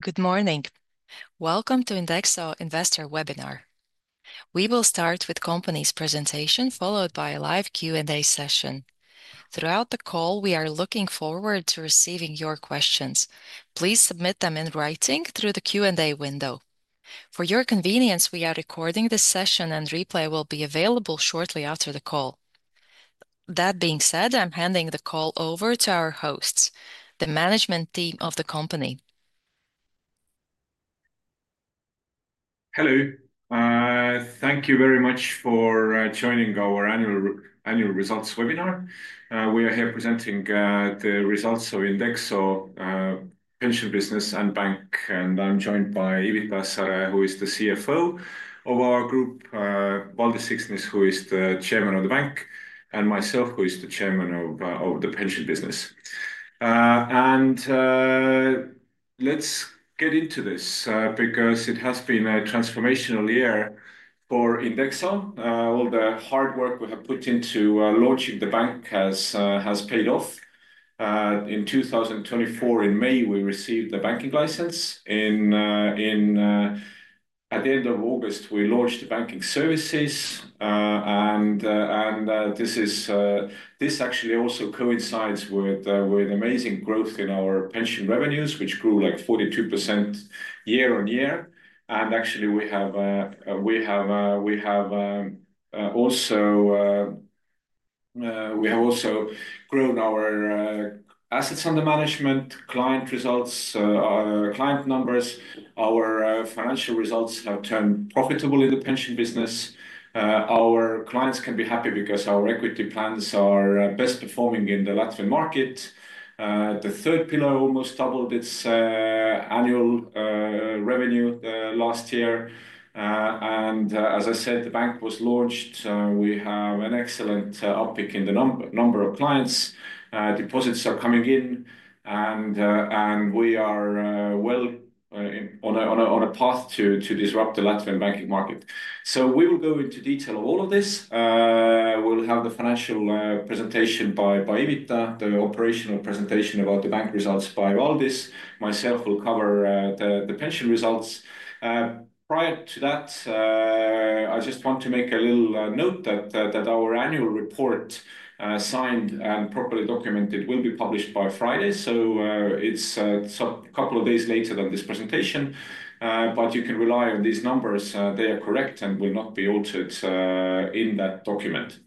Good morning. Welcome to INDEXO Investor Webinar. We will start with the company's presentation, followed by a live Q&A session. Throughout the call, we are looking forward to receiving your questions. Please submit them in writing through the Q&A window. For your convenience, we are recording this session, and replay will be available shortly after the call. That being said, I'm handing the call over to our hosts, the management team of the company. Hello. Thank you very much for joining our annual results webinar. We are here presenting the results of INDEXO Pension Business and Bank, and I'm joined by Ivita Asare, who is the CFO of our group, Valdis Siksnis, who is the Chairman of the bank, and myself, who is the Chairman of the pension business. Let's get into this because it has been a transformational year for INDEXO. All the hard work we have put into launching the bank has paid off. In 2024, in May, we received the banking license. At the end of August, we launched the banking services. This actually also coincides with amazing growth in our pension revenues, which grew like 42% year on year. Actually, we have also grown our assets under management, client results, client numbers. Our financial results have turned profitable in the pension business. Our clients can be happy because our equity plans are best performing in the Latvian market. The third pillar almost doubled its annual revenue last year. As I said, the bank was launched. We have an excellent uptick in the number of clients. Deposits are coming in, and we are well on a path to disrupt the Latvian banking market. We will go into detail of all of this. We'll have the financial presentation by Ivita, the operational presentation about the bank results by Valdis. Myself, I'll cover the pension results. Prior to that, I just want to make a little note that our annual report, signed and properly documented, will be published by Friday. It's a couple of days later than this presentation. You can rely on these numbers. They are correct and will not be altered in that document.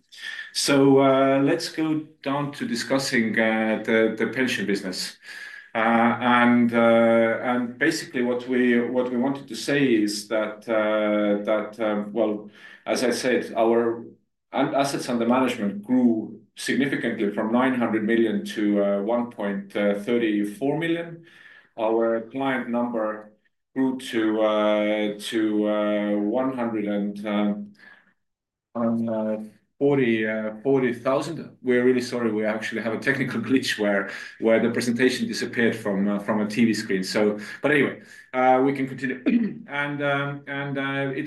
Let's go down to discussing the pension business. Basically, what we wanted to say is that, as I said, our assets under management grew significantly from 900 million to 1.34 billion. Our client number grew to 140,000. We're really sorry. We actually have a technical glitch where the presentation disappeared from a TV screen. Anyway, we can continue.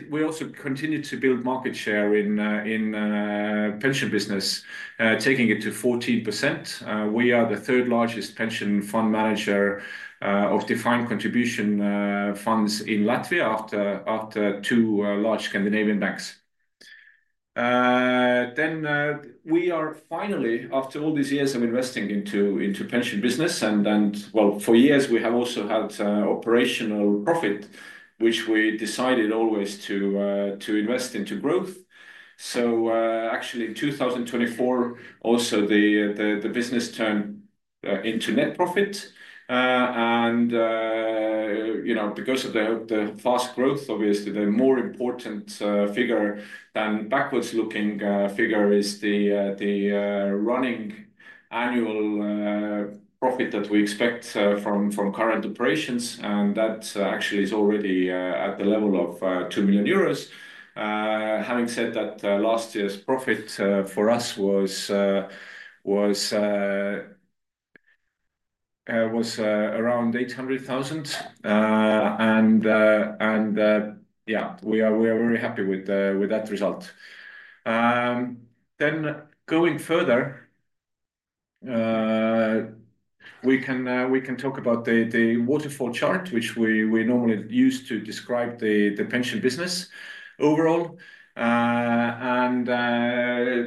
We also continue to build market share in the pension business, taking it to 14%. We are the third largest pension fund manager of defined contribution funds in Latvia after two large Scandinavian banks. Finally, after all these years of investing into the pension business, and for years, we have also had operational profit, which we decided always to invest into growth. Actually, in 2024, also the business turned into net profit. Because of the fast growth, obviously, the more important figure than backwards looking figure is the running annual profit that we expect from current operations. That actually is already at the level of 2 million euros. Having said that, last year's profit for us was around EUR 800,000. Yeah, we are very happy with that result. Going further, we can talk about the waterfall chart, which we normally use to describe the pension business overall.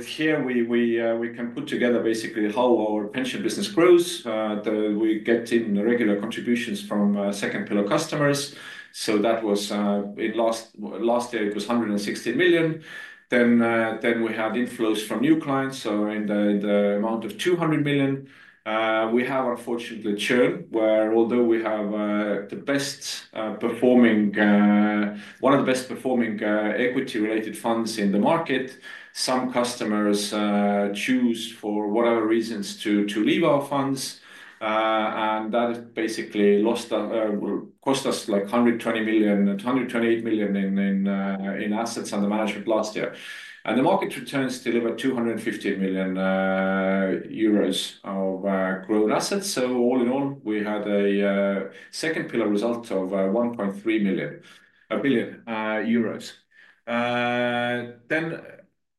Here we can put together basically how our pension business grows. We get in regular contributions from second pillar customers. That was last year, it was 160 million. We had inflows from new clients. In the amount of 200 million, we have unfortunately churn where, although we have the best performing, one of the best performing equity-related funds in the market, some customers choose for whatever reasons to leave our funds. That basically cost us like 120 million-128 million in assets under management last year. The market returns delivered 215 million euros of grown assets. All in all, we had a second pillar result of 1.3 million.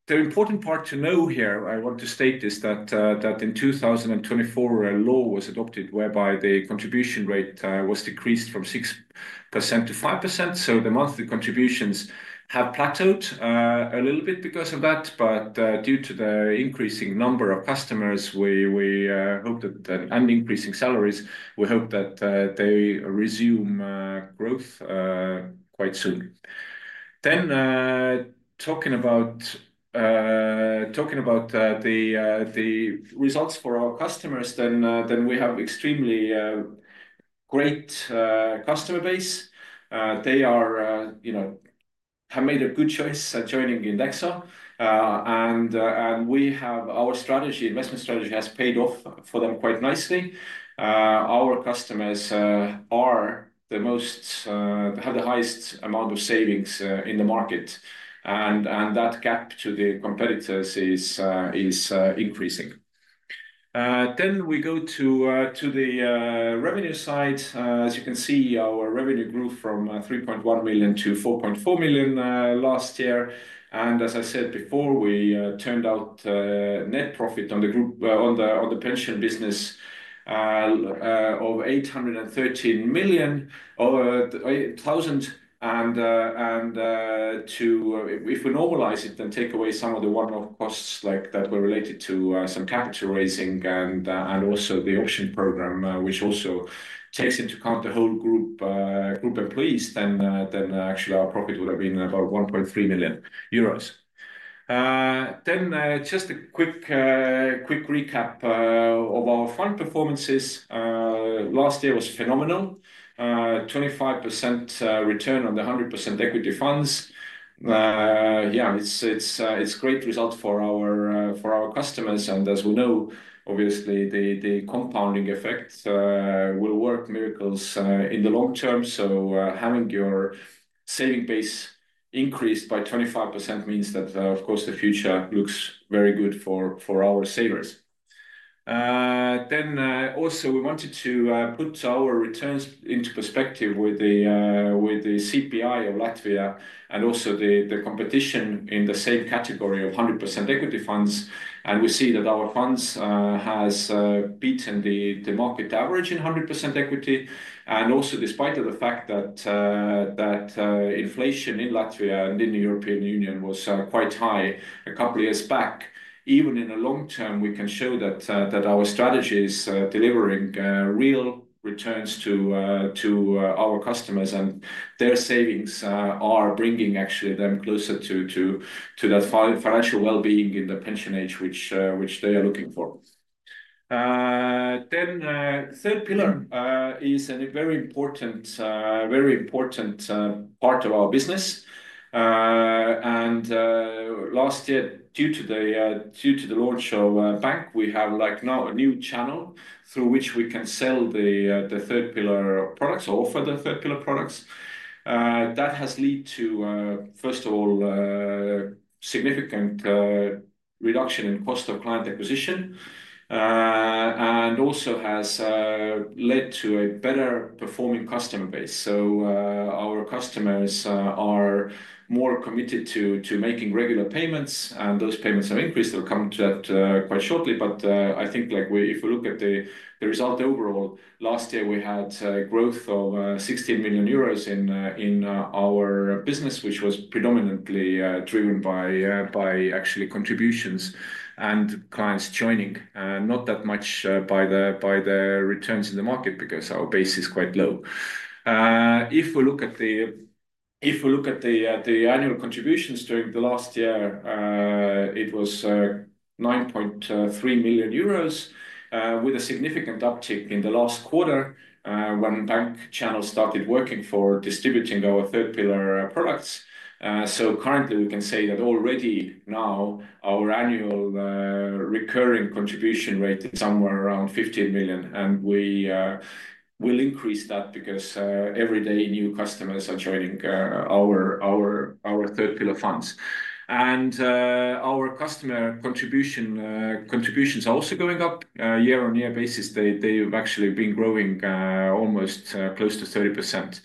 The important part to know here, I want to state this, is that in 2024, a law was adopted whereby the contribution rate was decreased from 6% to 5%. The monthly contributions have plateaued a little bit because of that. Due to the increasing number of customers and increasing salaries, we hope that they resume growth quite soon. Talking about the results for our customers, we have an extremely great customer base. They have made a good choice joining INDEXO. Our investment strategy has paid off for them quite nicely. Our customers have the highest amount of savings in the market. That gap to the competitors is increasing. We go to the revenue side. As you can see, our revenue grew from 3.1 million to 4.4 million last year. As I said before, we turned out net profit on the pension business of 813,000. If we normalize it and take away some of the one-off costs that were related to some capital raising and also the option program, which also takes into account the whole group employees, actually our profit would have been about 1.3 million euros. Just a quick recap of our fund performances. Last year was phenomenal. 25% return on the 100% equity funds. Yeah, it's a great result for our customers. As we know, obviously, the compounding effect will work miracles in the long term. Having your saving base increased by 25% means that, of course, the future looks very good for our savers. We wanted to put our returns into perspective with the CPI of Latvia and also the competition in the same category of 100% equity funds. We see that our funds have beaten the market average in 100% equity. Also, despite the fact that inflation in Latvia and in the European Union was quite high a couple of years back, even in the long term, we can show that our strategy is delivering real returns to our customers. Their savings are bringing actually them closer to that financial well-being in the pension age which they are looking for. The third pillar is a very important part of our business. Last year, due to the launch of the bank, we have now a new channel through which we can sell the third pillar products or offer the third pillar products. That has led to, first of all, significant reduction in cost of client acquisition and also has led to a better performing customer base. Our customers are more committed to making regular payments. Those payments have increased. I'll come to that quite shortly. I think if we look at the result overall, last year we had growth of 16 million euros in our business, which was predominantly driven by actually contributions and clients joining. Not that much by the returns in the market because our base is quite low. If we look at the annual contributions during the last year, it was 9.3 million euros with a significant uptick in the last quarter when bank channels started working for distributing our third pillar products. Currently, we can say that already now our annual recurring contribution rate is somewhere around 15 million. We will increase that because every day new customers are joining our third pillar funds. Our customer contributions are also going up on a year-on-year basis. They have actually been growing almost close to 30%.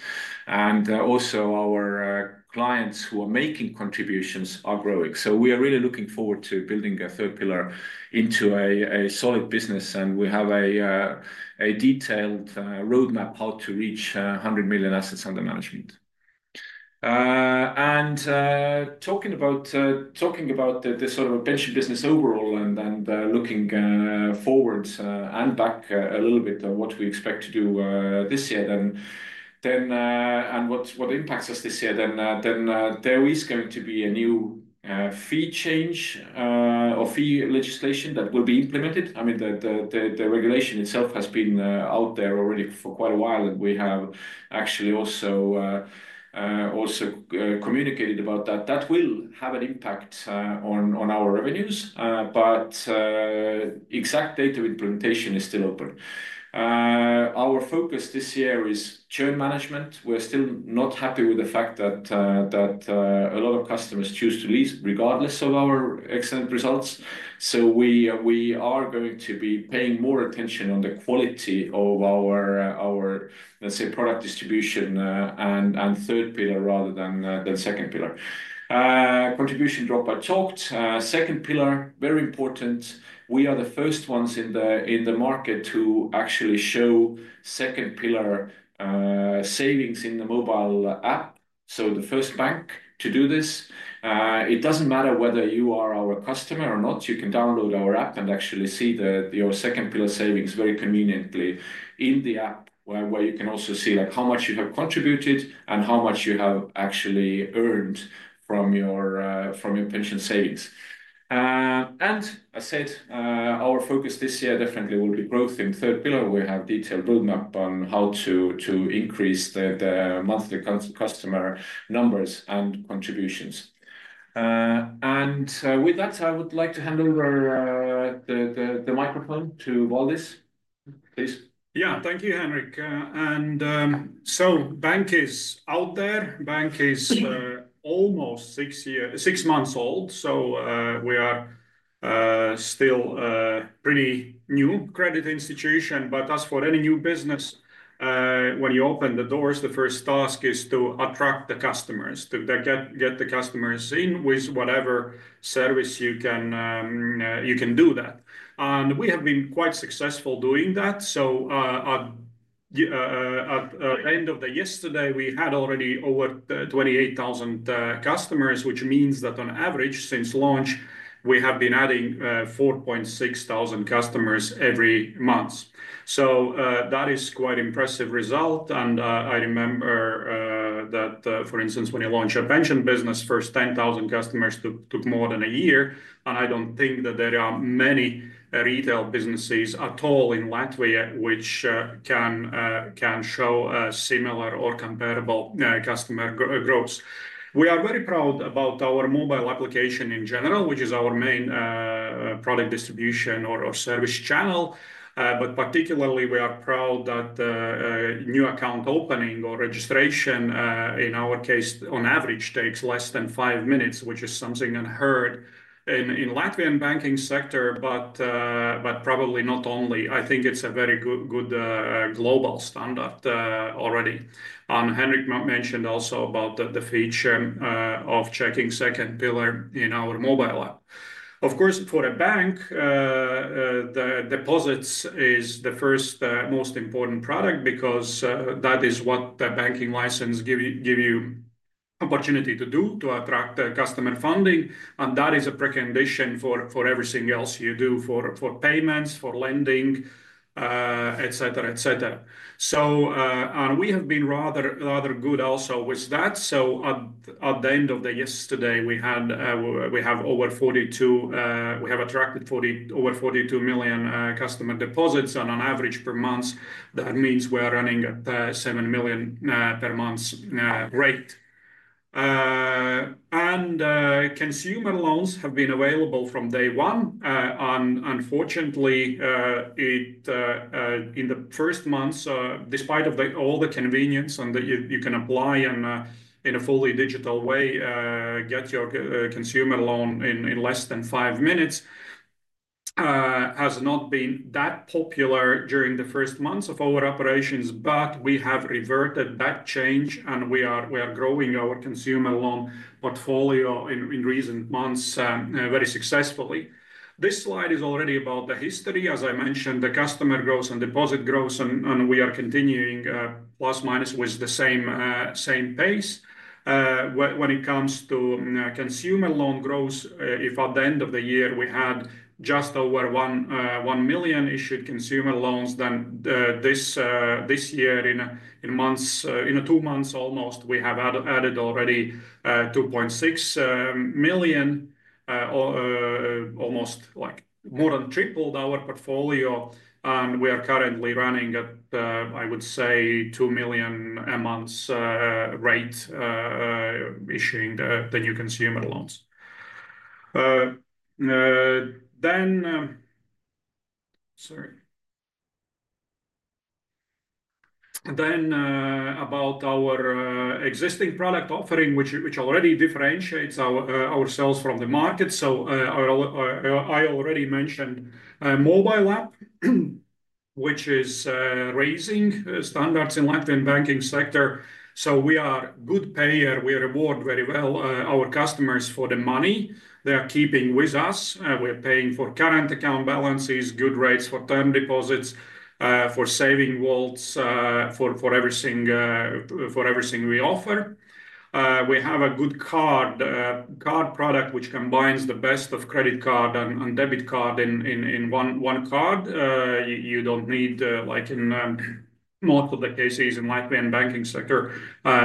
Also our clients who are making contributions are growing. We are really looking forward to building a third pillar into a solid business. We have a detailed roadmap how to reach 100 million assets under management. Talking about the sort of pension business overall and looking forward and back a little bit on what we expect to do this year, what impacts us this year, there is going to be a new fee change or fee legislation that will be implemented. I mean, the regulation itself has been out there already for quite a while. We have actually also communicated about that. That will have an impact on our revenues. The exact date of implementation is still open. Our focus this year is churn management. We're still not happy with the fact that a lot of customers choose to leave regardless of our excellent results. We are going to be paying more attention on the quality of our, let's say, product distribution and third pillar rather than second pillar. Contribution dropped by chalk. Second pillar, very important. We are the first ones in the market to actually show second pillar savings in the mobile app. The first bank to do this. It does not matter whether you are our customer or not. You can download our app and actually see your second pillar savings very conveniently in the app where you can also see how much you have contributed and how much you have actually earned from your pension savings. As I said, our focus this year definitely will be growth in third pillar. We have detailed roadmap on how to increase the monthly customer numbers and contributions. With that, I would like to hand over the microphone to Valdis, please. Thank you, Henrik. Bank is out there. Bank is almost six months old. We are still a pretty new credit institution. As for any new business, when you open the doors, the first task is to attract the customers, to get the customers in with whatever service you can do that. We have been quite successful doing that. At the end of yesterday, we had already over 28,000 customers, which means that on average, since launch, we have been adding 4,600 customers every month. That is quite an impressive result. I remember that, for instance, when you launch a pension business, the first 10,000 customers took more than a year. I do not think that there are many retail businesses at all in Latvia which can show similar or comparable customer growth. We are very proud about our mobile application in general, which is our main product distribution or service channel. Particularly, we are proud that new account opening or registration, in our case, on average takes less than five minutes, which is something unheard of in the Latvian banking sector, but probably not only. I think it is a very good global standard already. Henrik mentioned also about the feature of checking second pillar in our mobile app. Of course, for a bank, the deposits is the first most important product because that is what the banking license gives you the opportunity to do, to attract customer funding. That is a precondition for everything else you do, for payments, for lending, etc., etc. We have been rather good also with that. At the end of yesterday, we have attracted over 42 million customer deposits. On average per month, that means we are running at 7 million per month rate. Consumer loans have been available from day one. Unfortunately, in the first months, despite all the convenience and that you can apply in a fully digital way, get your consumer loan in less than five minutes, has not been that popular during the first months of our operations. We have reverted that change. We are growing our consumer loan portfolio in recent months very successfully. This slide is already about the history. As I mentioned, the customer growth and deposit growth, and we are continuing plus minus with the same pace. When it comes to consumer loan growth, if at the end of the year we had just over 1 million issued consumer loans, this year in two months almost, we have added already 2.6 million, almost more than tripled our portfolio. We are currently running at, I would say, 2 million a month rate issuing the new consumer loans. Sorry. About our existing product offering, which already differentiates ourselves from the market. I already mentioned mobile app, which is raising standards in the Latvian banking sector. We are a good payer. We reward very well our customers for the money they are keeping with us. We are paying for current account balances, good rates for term deposits, for saving vaults, for everything we offer. We have a good card product which combines the best of credit card and debit card in one card. You do not need, like in most of the cases in the Latvian banking sector,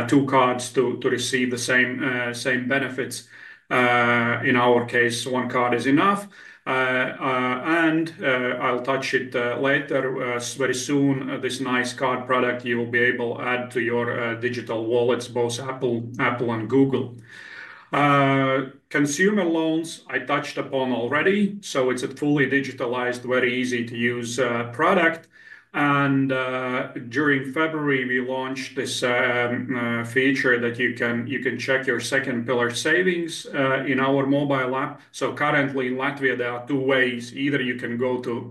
two cards to receive the same benefits. In our case, one card is enough. I will touch it later. Very soon, this nice card product you will be able to add to your digital wallets, both Apple and Google. Consumer loans, I touched upon already. It is a fully digitalized, very easy-to-use product. During February, we launched this feature that you can check your second pillar savings in our mobile app. Currently in Latvia, there are two ways. Either you can go to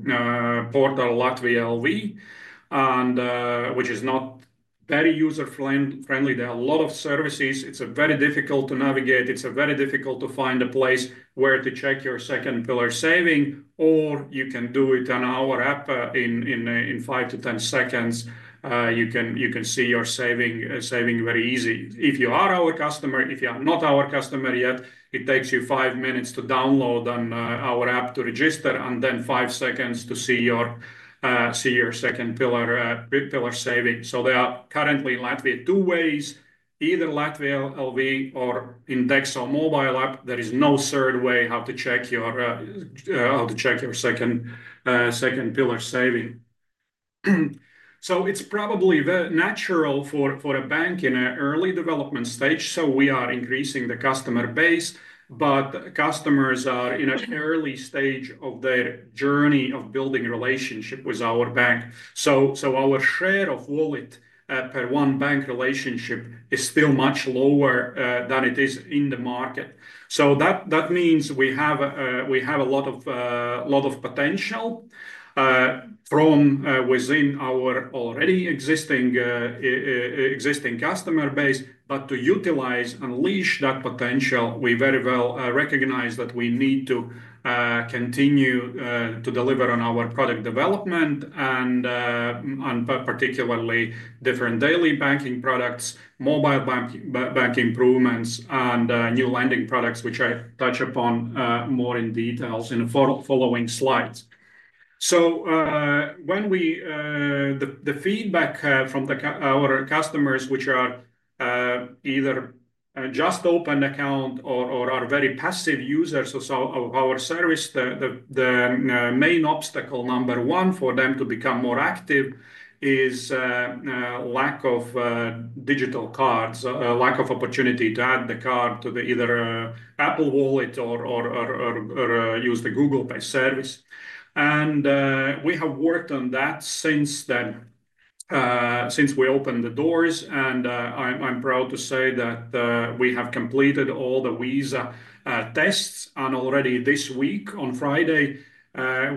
portal.latvia.lv, which is not very user-friendly. There are a lot of services. It is very difficult to navigate. It is very difficult to find a place where to check your second pillar saving. Or you can do it on our app in 5-10 seconds. You can see your saving very easy. If you are our customer, if you are not our customer yet, it takes you five minutes to download our app to register, and then five seconds to see your second pillar saving. There are currently in Latvia two ways, either Latvia.lv or Indexo mobile app. There is no third way how to check your second pillar saving. It is probably very natural for a bank in an early development stage. We are increasing the customer base. Customers are in an early stage of their journey of building a relationship with our bank. Our share of wallet per one bank relationship is still much lower than it is in the market. That means we have a lot of potential from within our already existing customer base. To utilize, unleash that potential, we very well recognize that we need to continue to deliver on our product development and particularly different daily banking products, mobile bank improvements, and new lending products, which I touch upon more in detail in the following slides. The feedback from our customers, which are either just opened account or are very passive users of our service, the main obstacle number one for them to become more active is lack of digital cards, lack of opportunity to add the card to either Apple Wallet or use the Google Pay service. We have worked on that since we opened the doors. I'm proud to say that we have completed all the Visa tests. Already this week on Friday,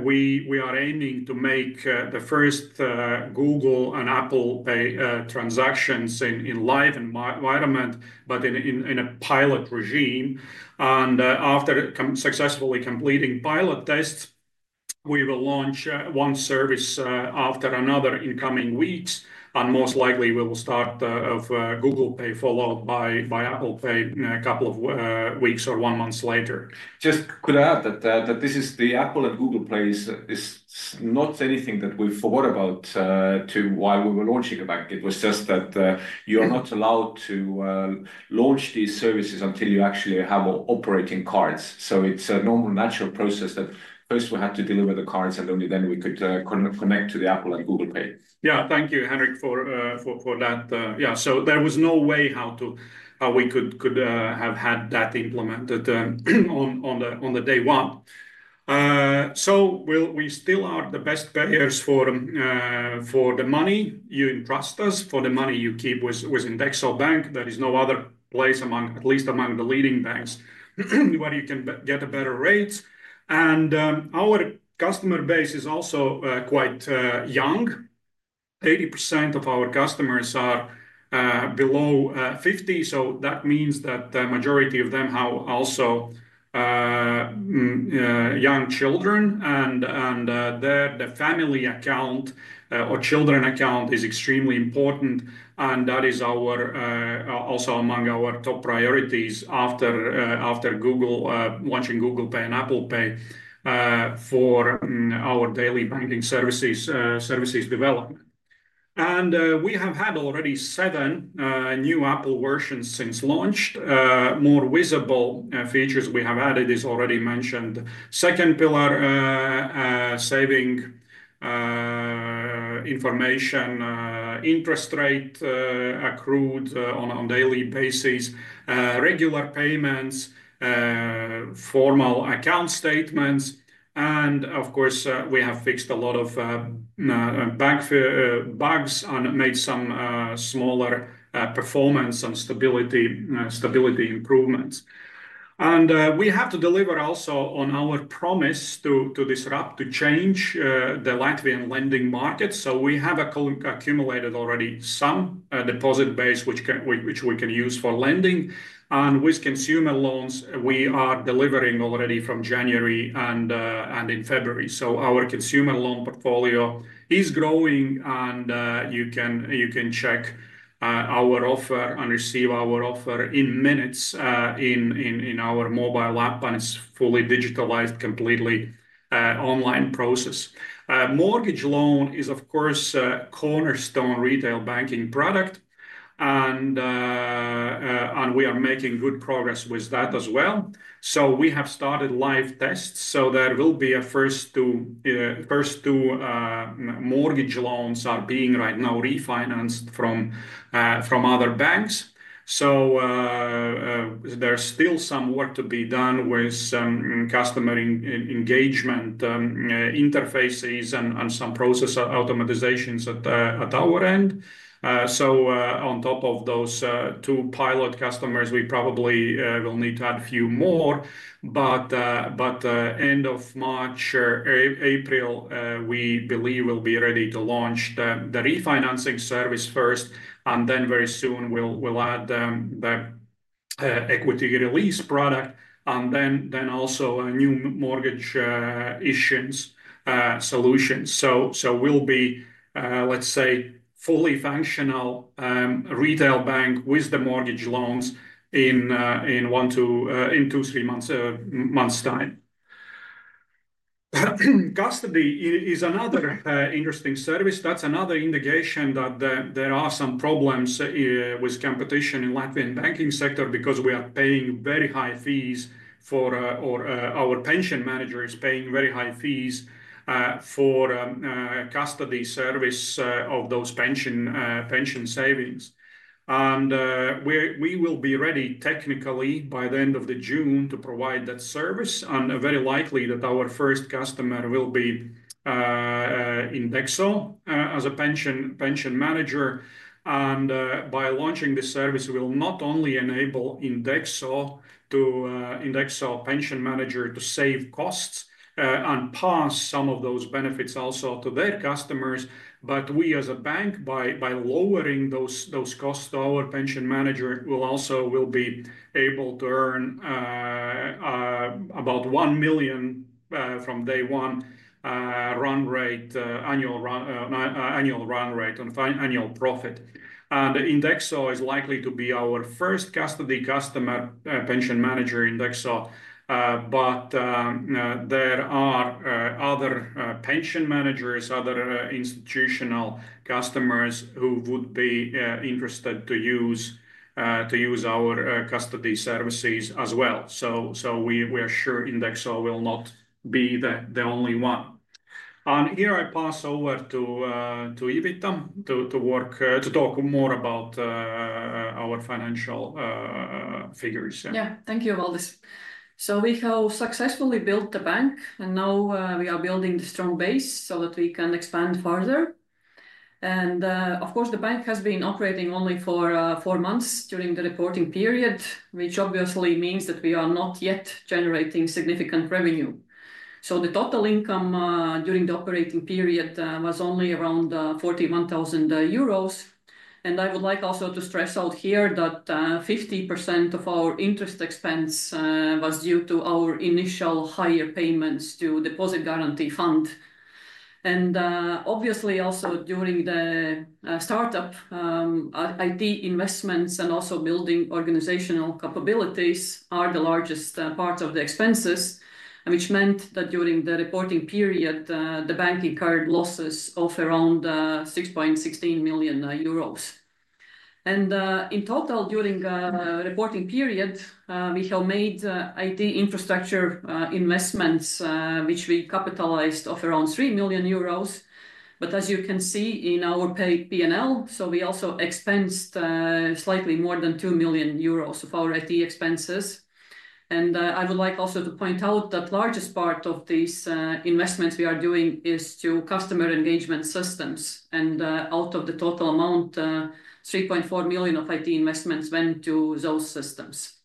we are aiming to make the first Google and Apple Pay transactions in live environment, but in a pilot regime. After successfully completing pilot tests, we will launch one service after another in coming weeks. Most likely, we will start with Google Pay followed by Apple Pay a couple of weeks or one month later. Just to add that this is the Apple and Google Pay. It's not anything that we forgot about while we were launching a bank. It was just that you are not allowed to launch these services until you actually have operating cards. It's a normal natural process that first we had to deliver the cards, and only then we could connect to the Apple and Google Pay. Yeah, thank you, Henrik, for that. Yeah, there was no way how we could have had that implemented on day one. We still are the best players for the money you entrust us, for the money you keep with INDEXO Bank. There is no other place, at least among the leading banks, where you can get a better rate. Our customer base is also quite young. 80% of our customers are below 50. That means that the majority of them have also young children. There, the family account or children account is extremely important. That is also among our top priorities after launching Google Pay and Apple Pay for our daily banking services development. We have had already seven new Apple versions since launch. More visible features we have added is already mentioned. Second pillar saving information, interest rate accrued on a daily basis, regular payments, formal account statements. Of course, we have fixed a lot of bank bugs and made some smaller performance and stability improvements. We have to deliver also on our promise to disrupt, to change the Latvian lending market. We have accumulated already some deposit base which we can use for lending. With consumer loans, we are delivering already from January and in February. Our consumer loan portfolio is growing. You can check our offer and receive our offer in minutes in our mobile app. It is a fully digitalized, completely online process. Mortgage loan is, of course, a cornerstone retail banking product. We are making good progress with that as well. We have started live tests. The first two mortgage loans are being right now refinanced from other banks. There is still some work to be done with some customer engagement interfaces and some process automatizations at our end. On top of those two pilot customers, we probably will need to add a few more. By end of March, April, we believe we will be ready to launch the refinancing service first. Very soon, we will add the equity release product. Also, new mortgage issuance solutions will follow. We will be, let's say, fully functional retail bank with the mortgage loans in two to three months' time. Custody is another interesting service. That is another indication that there are some problems with competition in the Latvian banking sector because we are paying very high fees for our pension managers paying very high fees for custody service of those pension savings. We will be ready technically by the end of June to provide that service. It is very likely that our first customer will be INDEXO as a pension manager. By launching this service, we will not only enable INDEXO pension manager to save costs and pass some of those benefits also to their customers. We as a bank, by lowering those costs to our pension manager, will also be able to earn about 1 million from day one annual run rate on annual profit. Indexo is likely to be our first custody customer, pension manager Indexo. There are other pension managers, other institutional customers who would be interested to use our custody services as well. We are sure Indexo will not be the only one. I pass over to Ivita to talk more about our financial figures. Yeah, thank you, Valdis. We have successfully built the bank. We are building the strong base so that we can expand further. Of course, the bank has been operating only for four months during the reporting period, which obviously means that we are not yet generating significant revenue. The total income during the operating period was only around 41,000 euros. I would like also to stress out here that 50% of our interest expense was due to our initial higher payments to deposit guarantee fund. Obviously, also during the startup, IT investments and also building organizational capabilities are the largest parts of the expenses, which meant that during the reporting period, the bank incurred losses of around 6.16 million euros. In total, during the reporting period, we have made IT infrastructure investments, which we capitalized of around 3 million euros. As you can see in our P&L, we also expensed slightly more than 2 million euros of our IT expenses. I would like also to point out that the largest part of these investments we are doing is to customer engagement systems. Out of the total amount, 3.4 million of IT investments went to those systems.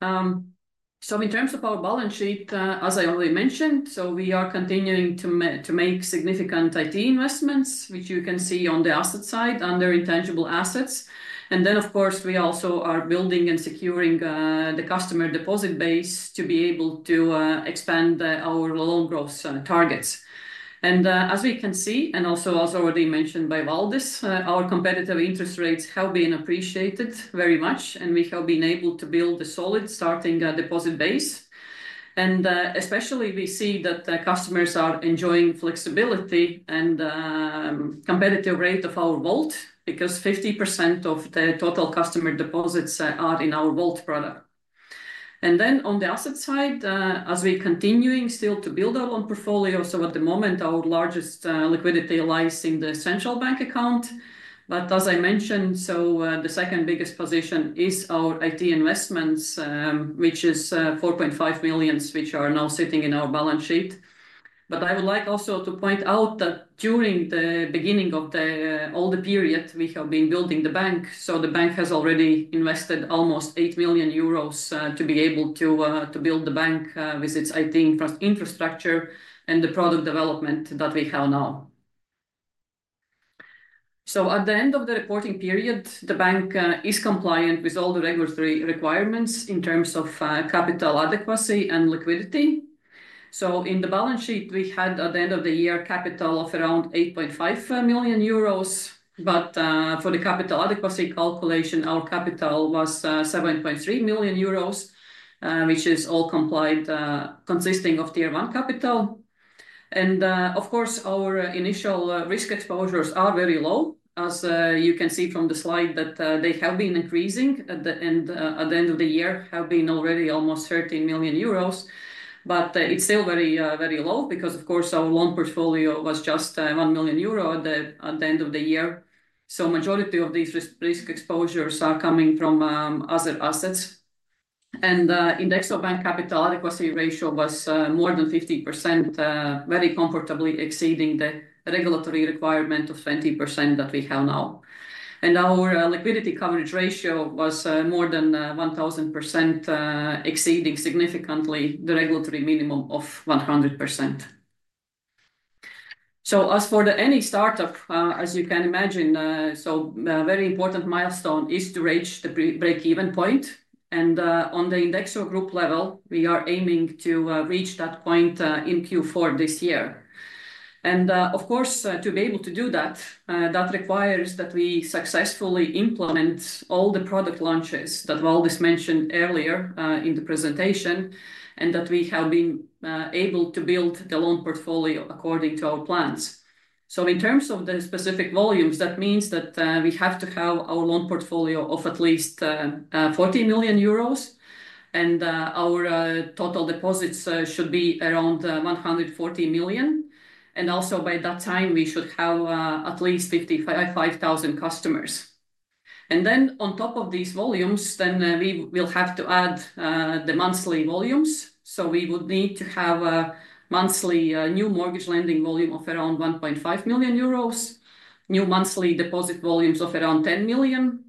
In terms of our balance sheet, as I already mentioned, we are continuing to make significant IT investments, which you can see on the asset side under intangible assets. We also are building and securing the customer deposit base to be able to expand our loan growth targets. As we can see, and also as already mentioned by Valdis, our competitive interest rates have been appreciated very much. We have been able to build a solid starting deposit base. Especially, we see that customers are enjoying flexibility and the competitive rate of our vault because 50% of the total customer deposits are in our vault product. On the asset side, as we are continuing still to build our own portfolio, at the moment, our largest liquidity lies in the Central Bank Account. As I mentioned, the second biggest position is our IT investments, which is 4.5 million, which are now sitting in our balance sheet. I would like also to point out that during the beginning of all the period, we have been building the bank. The bank has already invested almost 8 million euros to be able to build the bank with its IT infrastructure and the product development that we have now. At the end of the reporting period, the bank is compliant with all the regulatory requirements in terms of capital adequacy and liquidity. In the balance sheet, we had at the end of the year capital of around 8.5 million euros. For the capital adequacy calculation, our capital was 7.3 million euros, which is all compliant consisting of tier one capital. Of course, our initial risk exposures are very low. As you can see from the slide, they have been increasing. At the end of the year, they have been already almost 13 million euros. It is still very low because, of course, our loan portfolio was just 1 million euro at the end of the year. The majority of these risk exposures are coming from other assets. INDEXO Bank capital adequacy ratio was more than 50%, very comfortably exceeding the regulatory requirement of 20% that we have now. Our liquidity coverage ratio was more than 1,000%, exceeding significantly the regulatory minimum of 100%. As for any startup, as you can imagine, a very important milestone is to reach the break-even point. On the INDEXO group level, we are aiming to reach that point in Q4 this year. Of course, to be able to do that, that requires that we successfully implement all the product launches that Valdis mentioned earlier in the presentation and that we have been able to build the loan portfolio according to our plans. In terms of the specific volumes, that means that we have to have our loan portfolio of at least 40 million euros. Our total deposits should be around 140 million. Also by that time, we should have at least 55,000 customers. On top of these volumes, we will have to add the monthly volumes. We would need to have a monthly new mortgage lending volume of around 1.5 million euros, new monthly deposit volumes of around 10 million.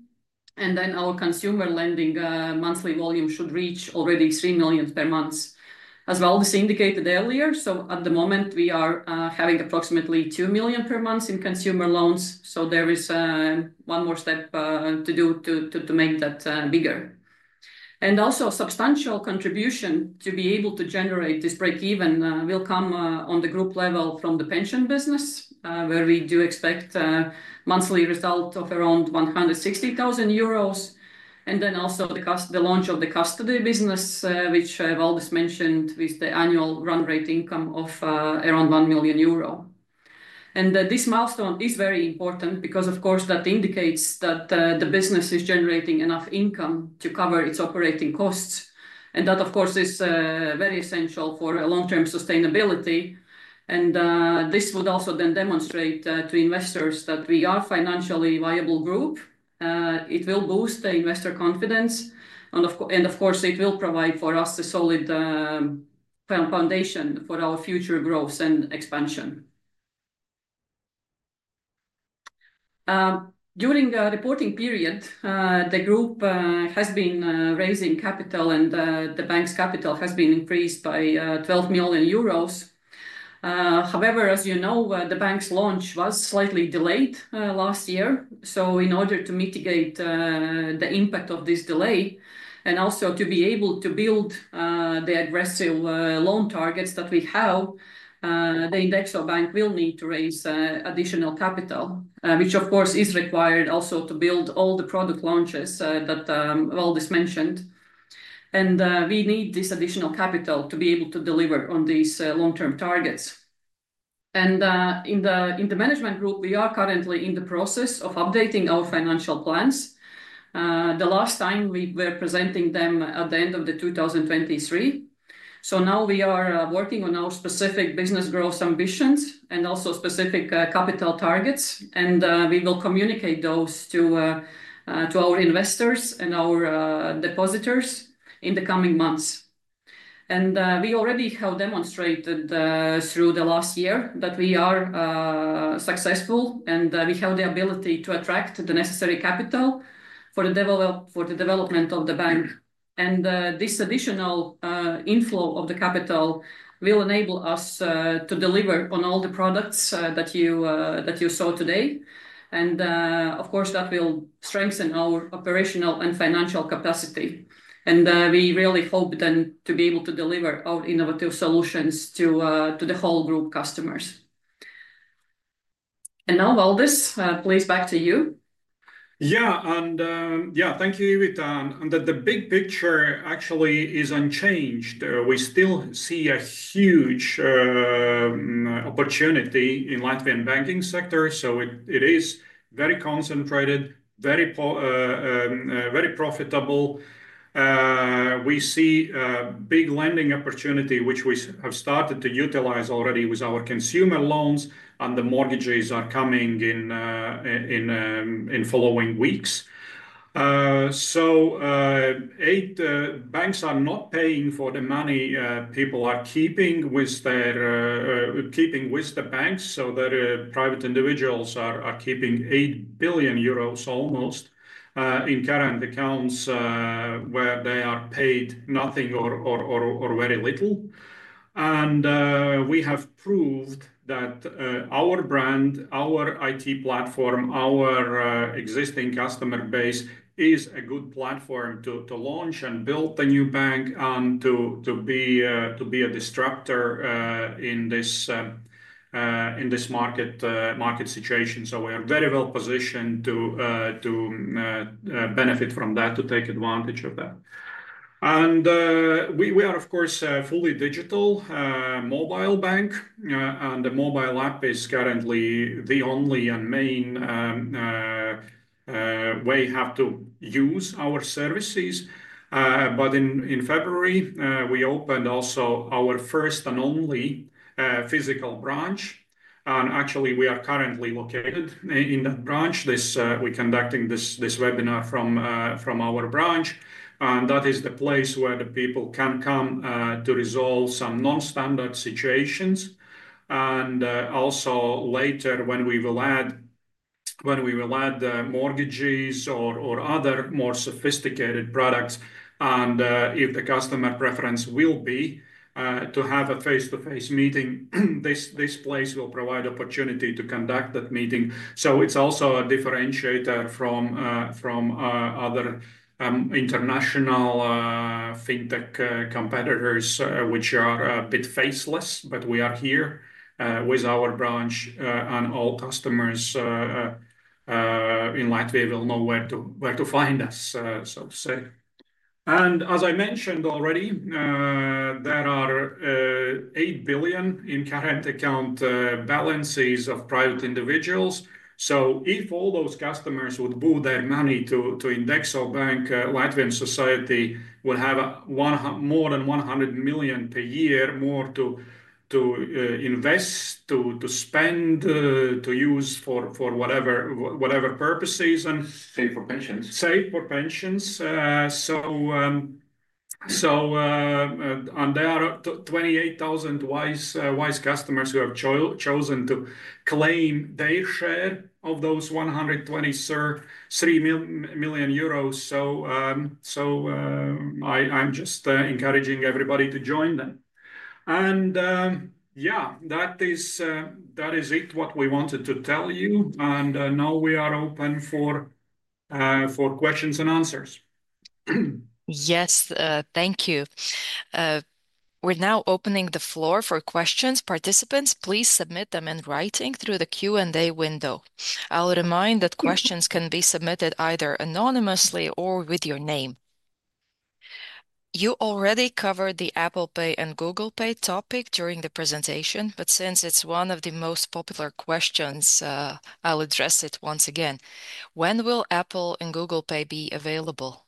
Our consumer lending monthly volume should reach already 3 million per month, as Valdis indicated earlier. At the moment, we are having approximately 2 million per month in consumer loans. There is one more step to do to make that bigger. A substantial contribution to be able to generate this break-even will come on the group level from the pension business, where we do expect a monthly result of around 160,000 euros. The launch of the custody business, which Valdis mentioned, with the annual run rate income of around 1 million euro, is also important. This milestone is very important because, of course, that indicates that the business is generating enough income to cover its operating costs. That, of course, is very essential for long-term sustainability. This would also then demonstrate to investors that we are a financially viable group. It will boost the investor confidence. It will provide for us a solid foundation for our future growth and expansion. During the reporting period, the group has been raising capital and the bank's capital has been increased by 12 million euros. However, as you know, the bank's launch was slightly delayed last year. In order to mitigate the impact of this delay and also to be able to build the aggressive loan targets that we have, INDEXO Bank will need to raise additional capital, which, of course, is required also to build all the product launches that Valdis mentioned. We need this additional capital to be able to deliver on these long-term targets. In the Management Group, we are currently in the process of updating our financial plans. The last time, we were presenting them at the end of 2023. We are working on our specific business growth ambitions and also specific capital targets. We will communicate those to our investors and our depositors in the coming months. We already have demonstrated through the last year that we are successful and we have the ability to attract the necessary capital for the development of the bank. This additional inflow of the capital will enable us to deliver on all the products that you saw today. Of course, that will strengthen our operational and financial capacity. We really hope then to be able to deliver our innovative solutions to the whole group customers. Now, Valdis, please back to you. Yeah, thank you, Ivita. The big picture actually is unchanged. We still see a huge opportunity in the Latvian banking sector. It is very concentrated, very profitable. We see a big lending opportunity, which we have started to utilize already with our consumer loans. The mortgages are coming in following weeks. Eight banks are not paying for the money people are keeping with their keeping with the banks. Private individuals are keeping 8 billion euros almost in current accounts where they are paid nothing or very little. We have proved that our brand, our IT platform, our existing customer base is a good platform to launch and build the new bank and to be a disruptor in this market situation. We are very well positioned to benefit from that, to take advantage of that. We are, of course, a fully digital mobile bank. The mobile app is currently the only and main way we have to use our services. In February, we opened also our first and only physical branch. Actually, we are currently located in that branch. We are conducting this webinar from our branch. That is the place where the people can come to resolve some non-standard situations. Also, later, when we will add mortgages or other more sophisticated products, and if the customer preference will be to have a face-to-face meeting, this place will provide opportunity to conduct that meeting. It is also a differentiator from other international fintech competitors, which are a bit faceless. We are here with our branch. All customers in Latvia will know where to find us, so to say. As I mentioned already, there are 8 billion in current account balances of private individuals. If all those customers would put their money to INDEXO Bank, Latvian society would have more than 100 million per year more to invest, to spend, to use for whatever purposes. Save for pensions. Save for pensions. There are 28,000 wise customers who have chosen to claim their share of those 123 million euros. I am just encouraging everybody to join them. That is it, what we wanted to tell you. Now we are open for questions and answers. Yes, thank you. We are now opening the floor for questions. Participants, please submit them in writing through the Q&A window. I will remind that questions can be submitted either anonymously or with your name. You already covered the Apple Pay and Google Pay topic during the presentation, but since it is one of the most popular questions, I will address it once again. When will Apple and Google Pay be available?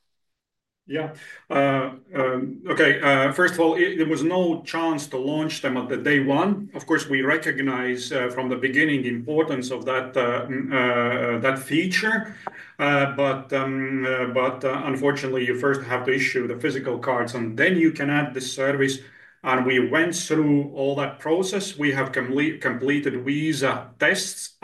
Yes. First of all, there was no chance to launch them at day one. Of course, we recognize from the beginning the importance of that feature. Unfortunately, you first have to issue the physical cards, and then you can add the service. We went through all that process. We have completed Visa tests.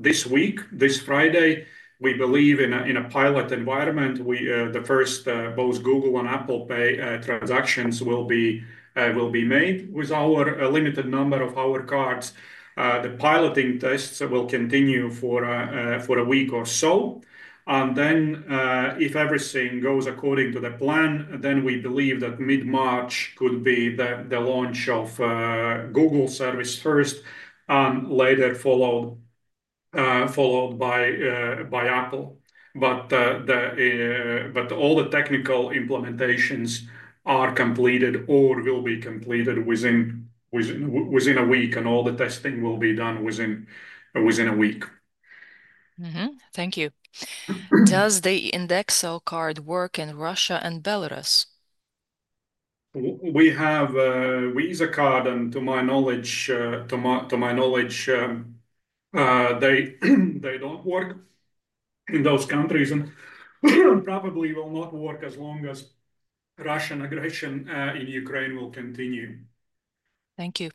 This week, this Friday, we believe in a pilot environment, the first both Google and Apple Pay transactions will be made with a limited number of our cards. The piloting tests will continue for a week or so. If everything goes according to the plan, we believe that mid-March could be the launch of Google service first, later followed by Apple. All the technical implementations are completed or will be completed within a week, and all the testing will be done within a week. Thank you. Does the INDEXO card work in Russia and Belarus? We have a Visa card, and to my knowledge, they do not work in those countries and probably will not work as long as Russian aggression in Ukraine will continue. Thank you.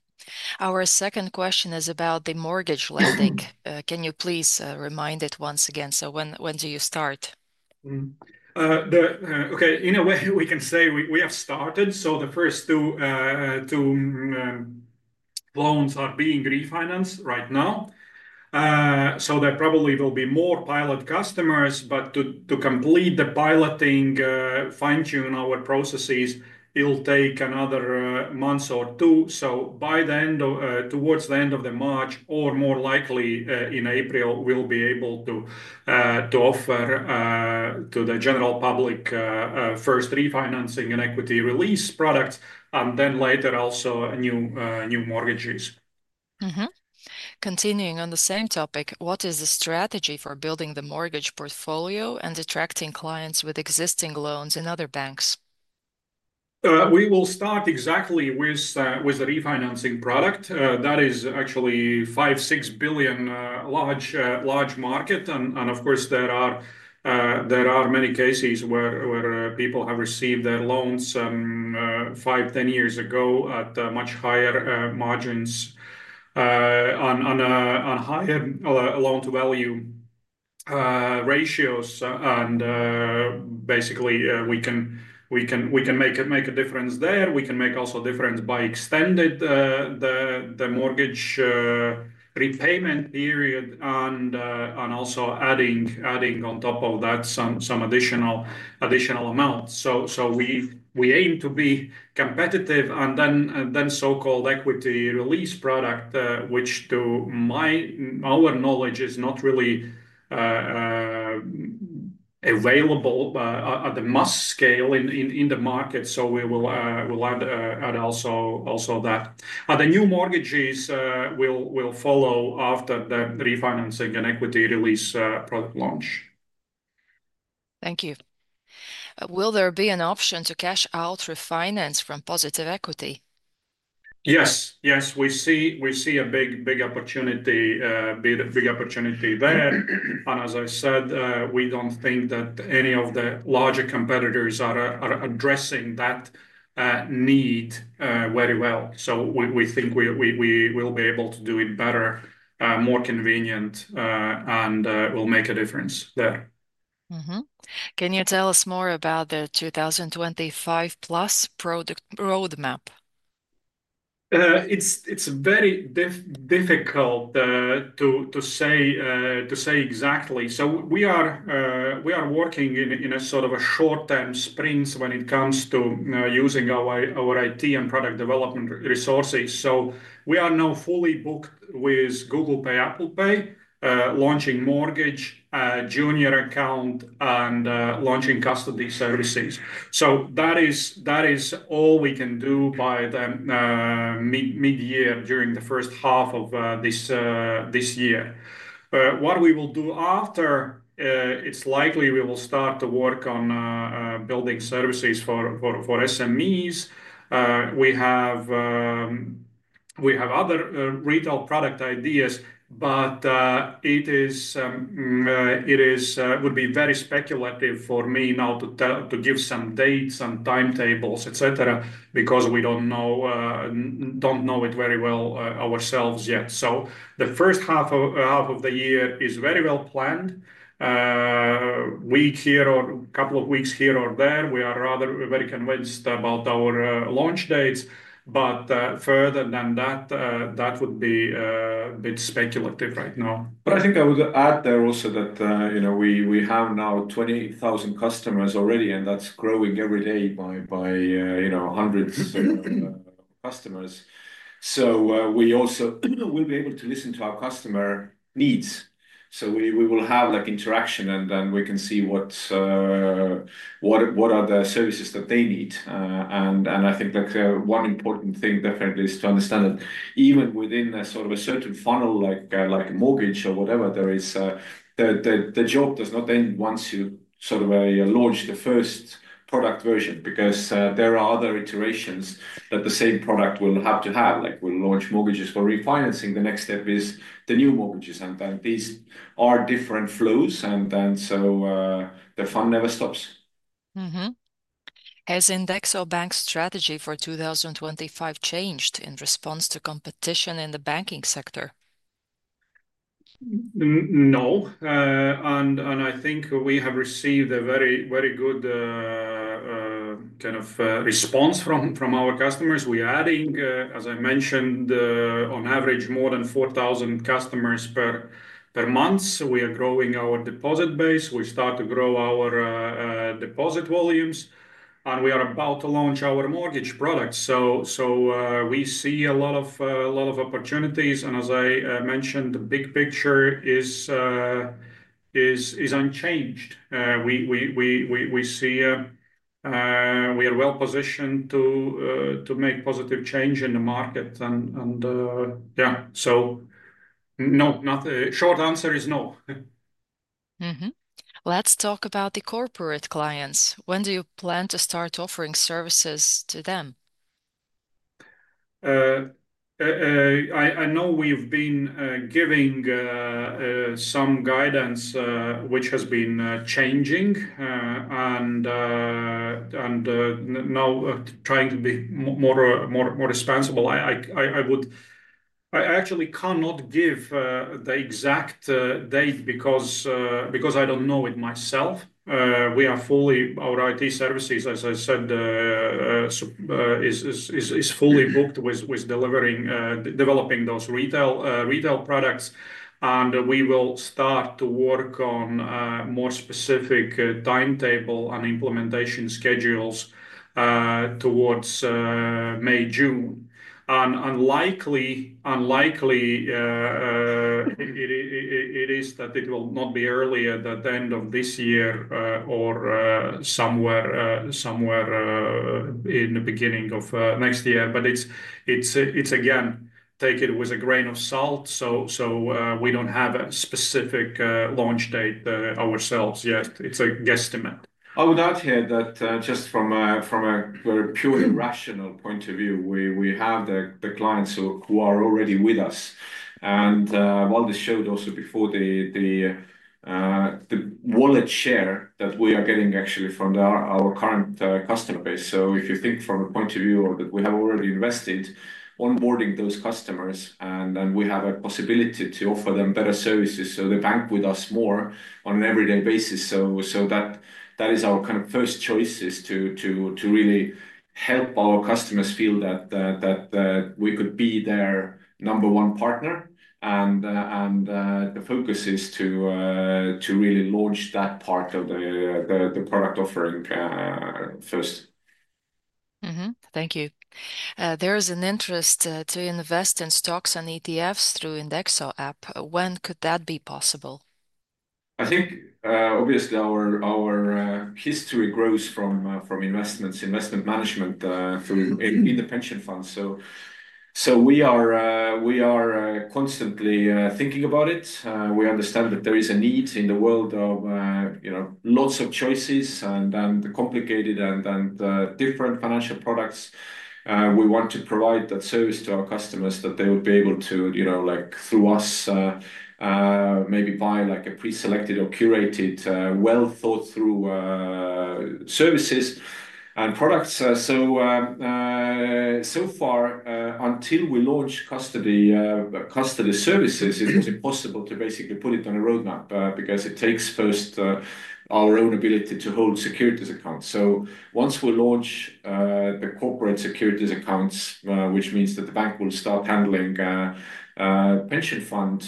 Our second question is about the mortgage lending. Can you please remind it once again? When do you start? In a way, we can say we have started. The first two loans are being refinanced right now. There probably will be more pilot customers. To complete the piloting, fine-tune our processes, it will take another month or two. By the end of, towards the end of March, or more likely in April, we will be able to offer to the general public first refinancing and equity release products, and then later also new mortgages. Continuing on the same topic, what is the strategy for building the mortgage portfolio and attracting clients with existing loans in other banks? We will start exactly with the refinancing product. That is actually 5 billion-6 billion large market. Of course, there are many cases where people have received their loans five, ten years ago at much higher margins on higher loan-to-value ratios. Basically, we can make a difference there. We can make also a difference by extending the mortgage repayment period and also adding on top of that some additional amounts. We aim to be competitive and then the so-called equity release product, which to our knowledge is not really available at the mass scale in the market. We will add also that. The new mortgages will follow after the refinancing and equity release product launch. Thank you. Will there be an option to cash out refinance from positive equity? Yes. Yes. We see a big opportunity there. As I said, we do not think that any of the larger competitors are addressing that need very well. We think we will be able to do it better, more convenient, and we will make a difference there. Can you tell us more about the 2025 plus roadmap? It is very difficult to say exactly. We are working in a sort of short-term sprint when it comes to using our IT and product development resources. We are now fully booked with Google Pay, Apple Pay, launching mortgage, junior account, and launching custody services. That is all we can do by the mid-year during the first half of this year. What we will do after, it is likely we will start to work on building services for SMEs. We have other retail product ideas, but it would be very speculative for me now to give some dates and timetables, etc., because we do not know it very well ourselves yet. The first half of the year is very well planned. A week here or a couple of weeks here or there, we are rather very convinced about our launch dates. Further than that, that would be a bit speculative right now. I think I would add there also that we have now 20,000 customers already, and that is growing every day by hundreds of customers. We also will be able to listen to our customer needs. We will have interaction, and then we can see what are the services that they need. I think one important thing definitely is to understand that even within a sort of a certain funnel, like a mortgage or whatever, the job does not end once you sort of launch the first product version because there are other iterations that the same product will have to have. We will launch mortgages for refinancing. The next step is the new mortgages. These are different flows. The fun never stops. Has INDEXO Bank's strategy for 2025 changed in response to competition in the banking sector? No. I think we have received a very good kind of response from our customers. We are adding, as I mentioned, on average, more than 4,000 customers per month. We are growing our deposit base. We start to grow our deposit volumes. We are about to launch our mortgage product. We see a lot of opportunities. As I mentioned, the big picture is unchanged. We are well positioned to make positive change in the market. Yeah, short answer is no. Let's talk about the corporate clients. When do you plan to start offering services to them? I know we've been giving some guidance, which has been changing, and now trying to be more responsible. I actually cannot give the exact date because I don't know it myself. Our IT services, as I said, is fully booked with developing those retail products. We will start to work on a more specific timetable and implementation schedules towards May, June. Likely it is that it will not be earlier than the end of this year or somewhere in the beginning of next year. Again, take it with a grain of salt. We don't have a specific launch date ourselves yet. It's a guesstimate. I would add here that just from a very purely rational point of view, we have the clients who are already with us. While they showed also before the wallet share that we are getting actually from our current customer base. If you think from a point of view that we have already invested onboarding those customers, and then we have a possibility to offer them better services. They bank with us more on an everyday basis. That is our kind of first choice, to really help our customers feel that we could be their number one partner. The focus is to really launch that part of the product offering first. Thank you. There is an interest to invest in stocks and ETFs through INDEXO app. When could that be possible? I think, obviously, our history grows from investments, investment management in the pension funds. We are constantly thinking about it. We understand that there is a need in the world of lots of choices and the complicated and different financial products. We want to provide that service to our customers that they would be able to, through us, maybe buy a preselected or curated well-thought-through services and products. So far, until we launch custody services, it is impossible to basically put it on a roadmap because it takes first our own ability to hold securities accounts. Once we launch the corporate securities accounts, which means that the bank will start handling pension fund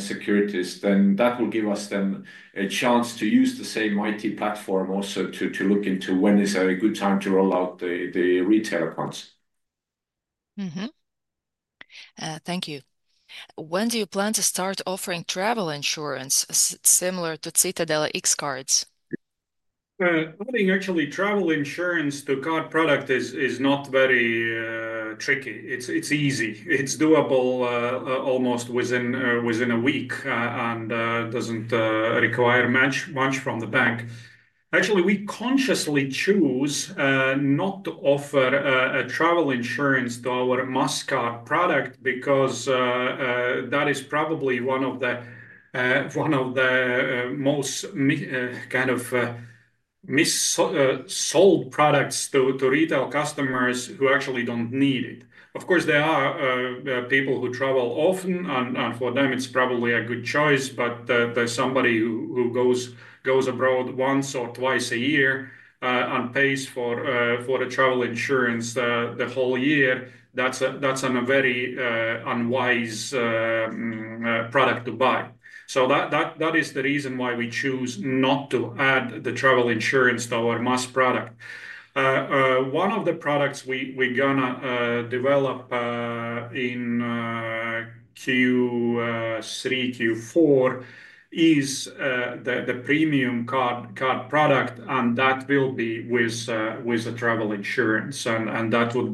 securities, that will give us then a chance to use the same IT platform also to look into when is a good time to roll out the retail accounts. Thank you. When do you plan to start offering travel insurance similar to Citadele X cards? I think actually travel insurance to card product is not very tricky. It's easy. It's doable almost within a week and doesn't require much from the bank. Actually, we consciously choose not to offer a travel insurance to our must-card product because that is probably one of the most kind of mis-sold products to retail customers who actually don't need it. Of course, there are people who travel often, and for them, it's probably a good choice. There is somebody who goes abroad once or twice a year and pays for the travel insurance the whole year. That's a very unwise product to buy. That is the reason why we choose not to add the travel insurance to our must product. One of the products we're going to develop in Q3, Q4 is the premium card product, and that will be with a travel insurance. That will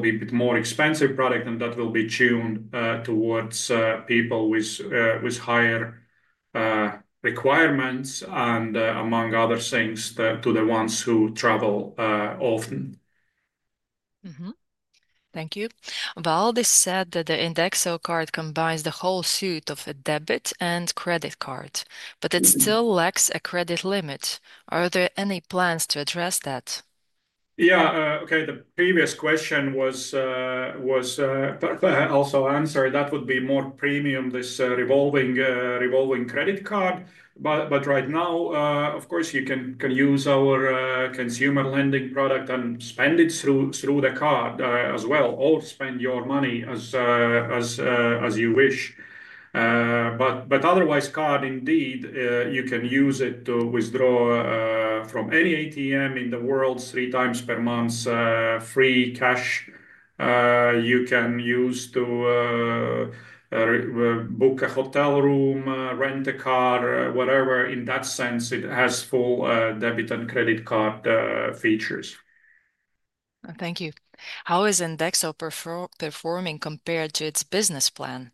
be a bit more expensive product, and that will be tuned towards people with higher requirements and, among other things, to the ones who travel often. Thank you. Valdis said that the INDEXO card combines the whole suite of a debit and credit card, but it still lacks a credit limit. Are there any plans to address that? Yeah. Okay. The previous question was also answered. That would be more premium, this revolving credit card. Right now, of course, you can use our consumer lending product and spend it through the card as well. Or spend your money as you wish. Otherwise, card indeed, you can use it to withdraw from any ATM in the world three times per month, free cash. You can use to book a hotel room, rent a car, whatever. In that sense, it has full debit and credit card features. Thank you. How is INDEXO performing compared to its business plan?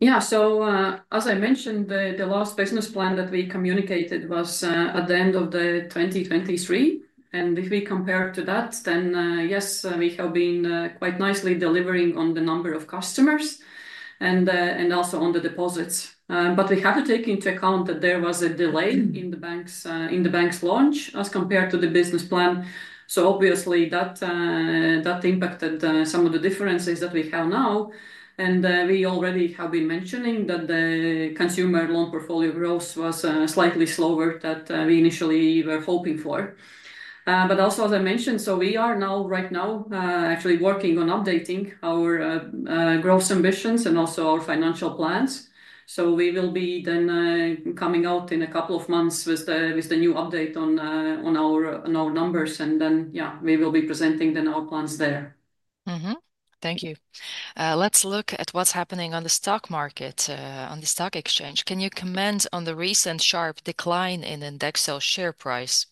Yeah. As I mentioned, the last business plan that we communicated was at the end of 2023. If we compare to that, then yes, we have been quite nicely delivering on the number of customers and also on the deposits. We have to take into account that there was a delay in the bank's launch as compared to the business plan. Obviously, that impacted some of the differences that we have now. We already have been mentioning that the consumer loan portfolio growth was slightly slower than we initially were hoping for. Also, as I mentioned, we are right now actually working on updating our growth ambitions and also our financial plans. We will be coming out in a couple of months with the new update on our numbers. We will be presenting our plans there. Thank you. Let's look at what's happening on the stock market, on the stock exchange. Can you comment on the recent sharp decline in INDEXO share price?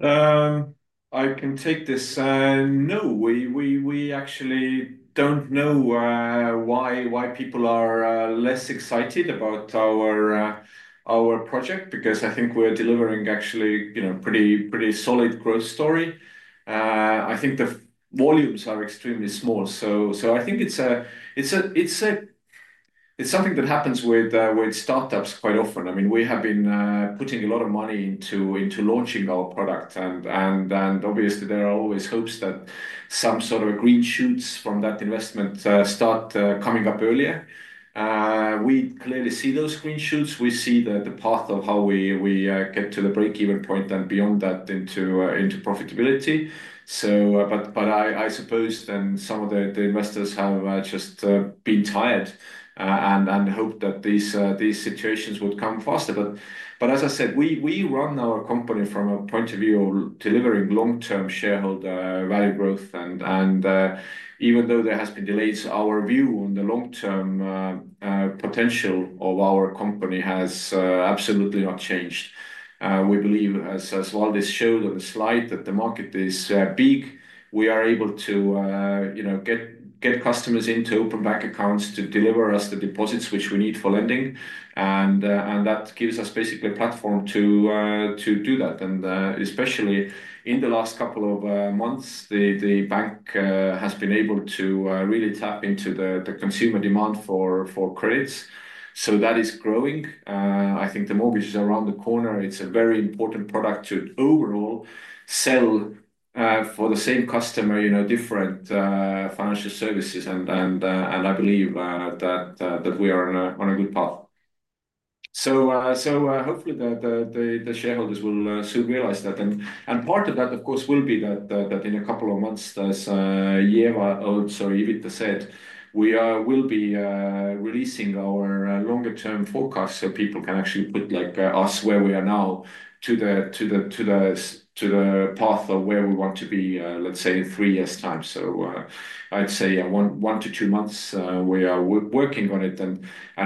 I can take this. No, we actually don't know why people are less excited about our project because I think we're delivering actually a pretty solid growth story. I think the volumes are extremely small. I think it's something that happens with startups quite often. I mean, we have been putting a lot of money into launching our product. Obviously, there are always hopes that some sort of green shoots from that investment start coming up earlier. We clearly see those green shoots. We see the path of how we get to the break-even point and beyond that into profitability. I suppose some of the investors have just been tired and hoped that these situations would come faster. As I said, we run our company from a point of view of delivering long-term shareholder value growth. Even though there have been delays, our view on the long-term potential of our company has absolutely not changed. We believe, as Valdis showed on the slide, that the market is big. We are able to get customers into open bank accounts to deliver us the deposits which we need for lending. That gives us basically a platform to do that. Especially in the last couple of months, the bank has been able to really tap into the consumer demand for credits. That is growing. I think the mortgage is around the corner. It's a very important product to overall sell for the same customer different financial services. I believe that we are on a good path. Hopefully the shareholders will soon realize that. Part of that, of course, will be that in a couple of months, as Ivita also said, we will be releasing our longer-term forecast so people can actually put us where we are now to the path of where we want to be, let's say, in three years' time. I'd say one to two months, we are working on it.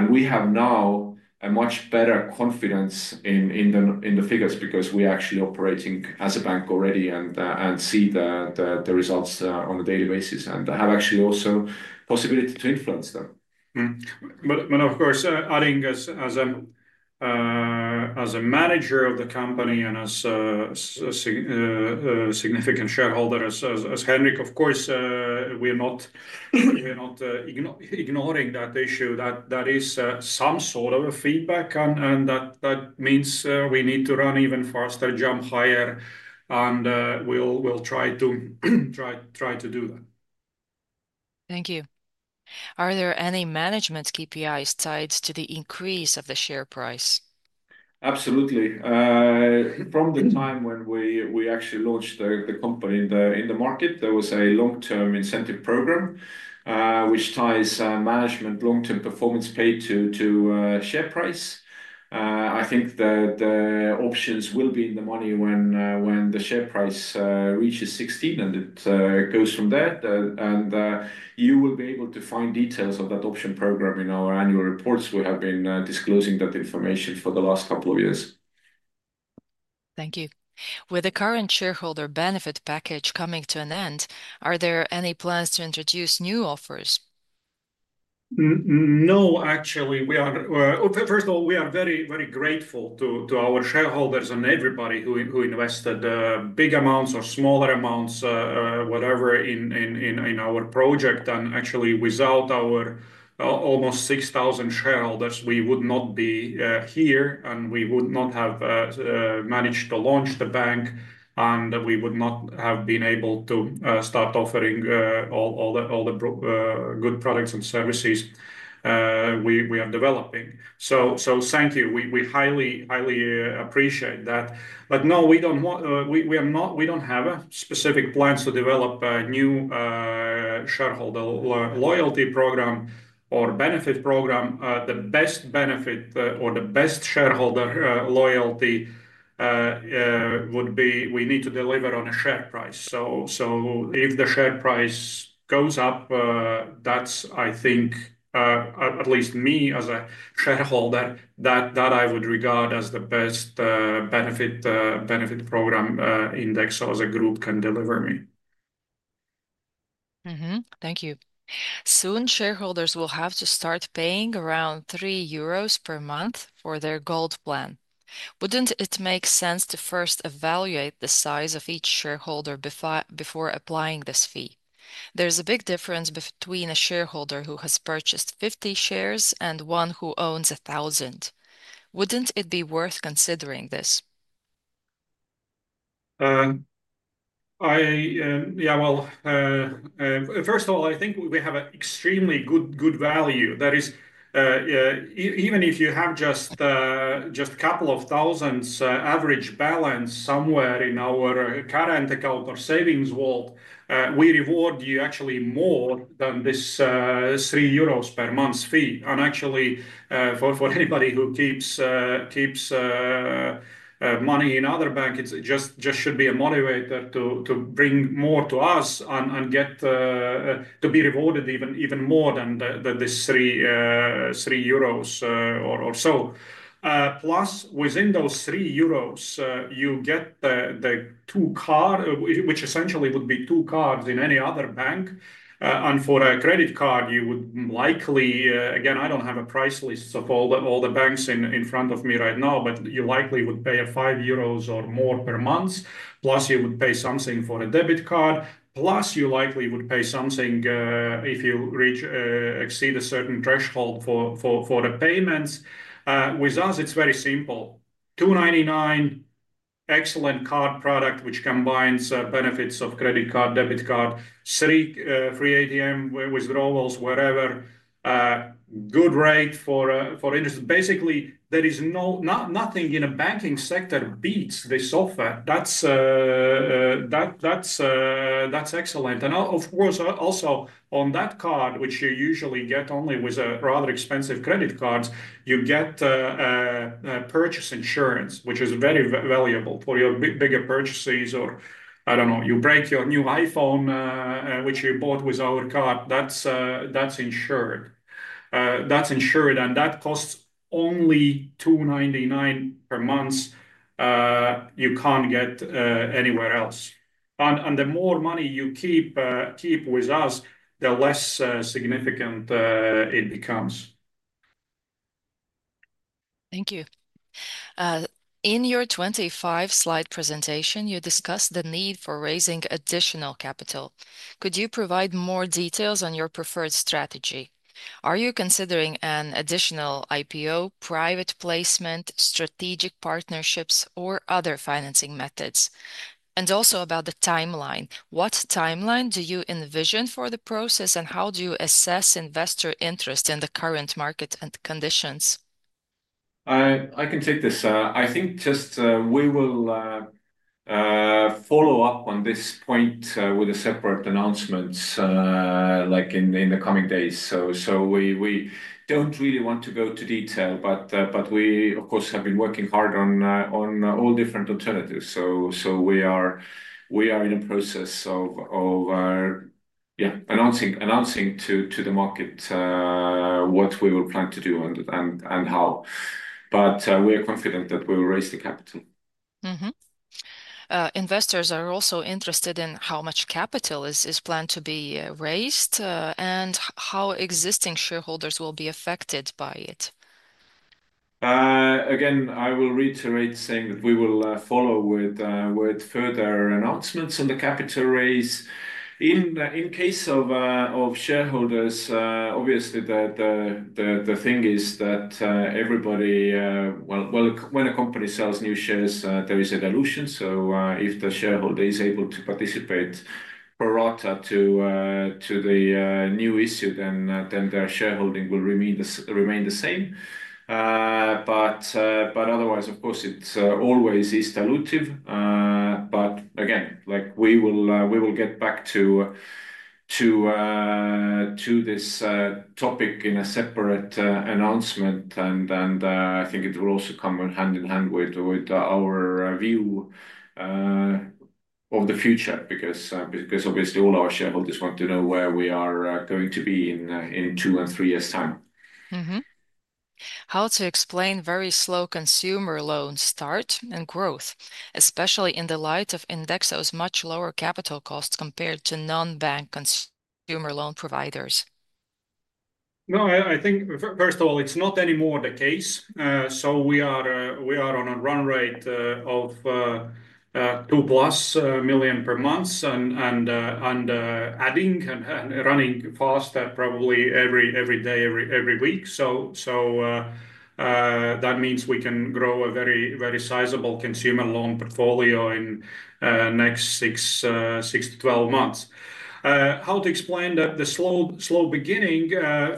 We have now a much better confidence in the figures because we are actually operating as a bank already and see the results on a daily basis and have actually also the possibility to influence them. Of course, adding as a manager of the company and as a significant shareholder, as Henrik, of course, we are not ignoring that issue. That is some sort of a feedback. That means we need to run even faster, jump higher, and we'll try to do that. Thank you. Are there any management KPIs tied to the increase of the share price? Absolutely. From the time when we actually launched the company in the market, there was a long-term incentive program which ties management long-term performance paid to share price. I think that the options will be in the money when the share price reaches 16 and it goes from there. You will be able to find details of that option program in our annual reports. We have been disclosing that information for the last couple of years. Thank you. With the current shareholder benefit package coming to an end, are there any plans to introduce new offers? No, actually. First of all, we are very grateful to our shareholders and everybody who invested big amounts or smaller amounts, whatever, in our project. Actually, without our almost 6,000 shareholders, we would not be here, and we would not have managed to launch the bank, and we would not have been able to start offering all the good products and services we are developing. Thank you. We highly appreciate that. No, we do not have a specific plan to develop a new shareholder loyalty program or benefit program. The best benefit or the best shareholder loyalty would be we need to deliver on a share price. If the share price goes up, that's, I think, at least me as a shareholder, that I would regard as the best benefit program Indexo as a group can deliver me. Thank you. Soon shareholders will have to start paying around 3 euros per month for their gold plan. Wouldn't it make sense to first evaluate the size of each shareholder before applying this fee? There's a big difference between a shareholder who has purchased 50 shares and one who owns 1,000. Wouldn't it be worth considering this? Yeah. First of all, I think we have an extremely good value. That is, even if you have just a couple of thousand average balance somewhere in our current account or savings vault, we reward you actually more than this 3 euros per month fee. Actually, for anybody who keeps money in other banks, it just should be a motivator to bring more to us and get to be rewarded even more than this 3 euros or so. Plus, within those 3 euros, you get the two cards, which essentially would be two cards in any other bank. For a credit card, you would likely again, I do not have a price list of all the banks in front of me right now, but you likely would pay 5 euros or more per month. Plus, you would pay something for a debit card. Plus, you likely would pay something if you exceed a certain threshold for the payments. With us, it is very simple. 299, excellent card product which combines benefits of credit card, debit card, free ATM withdrawals, whatever. Good rate for interest. Basically, there is nothing in a banking sector beats this offer. That's excellent. Of course, also on that card, which you usually get only with rather expensive credit cards, you get purchase insurance, which is very valuable for your bigger purchases or, I don't know, you break your new iPhone, which you bought with our card. That's insured. That's insured. That costs only 2.99 per month. You can't get anywhere else. The more money you keep with us, the less significant it becomes. Thank you. In your 25-slide presentation, you discussed the need for raising additional capital. Could you provide more details on your preferred strategy? Are you considering an additional IPO, private placement, strategic partnerships, or other financing methods? Also about the timeline. What timeline do you envision for the process, and how do you assess investor interest in the current market and conditions? I can take this. I think we will follow up on this point with a separate announcement in the coming days. We do not really want to go into detail, but we, of course, have been working hard on all different alternatives. We are in a process of announcing to the market what we will plan to do and how. We are confident that we will raise the capital. Investors are also interested in how much capital is planned to be raised and how existing shareholders will be affected by it. Again, I will reiterate saying that we will follow with further announcements on the capital raise. In case of shareholders, obviously, the thing is that everybody, when a company sells new shares, there is a dilution. If the shareholder is able to participate per rota to the new issue, then their shareholding will remain the same. Otherwise, of course, it always is dilutive. Again, we will get back to this topic in a separate announcement. I think it will also come hand in hand with our view of the future because obviously all our shareholders want to know where we are going to be in two and three years' time. How to explain very slow consumer loan start and growth, especially in the light of INDEXO's much lower capital costs compared to non-bank consumer loan providers? No, I think first of all, it's not anymore the case. We are on a run rate of 2 million plus per month and adding and running faster probably every day, every week. That means we can grow a very sizable consumer loan portfolio in the next 6-12 months. How to explain the slow beginning?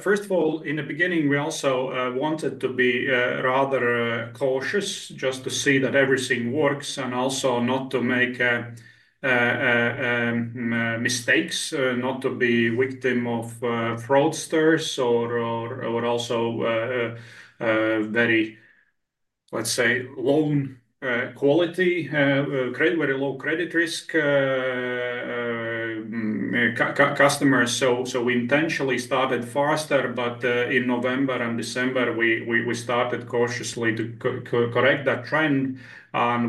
First of all, in the beginning, we also wanted to be rather cautious just to see that everything works and also not to make mistakes, not to be victim of fraudsters or also very, let's say, low quality, very low credit risk customers. We intentionally started faster, but in November and December, we started cautiously to correct that trend.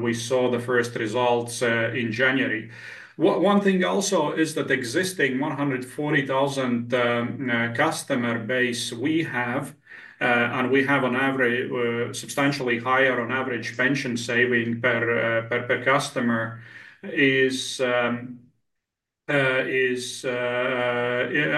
We saw the first results in January. One thing also is that existing 140,000 customer base we have, and we have a substantially higher on average pension saving per customer,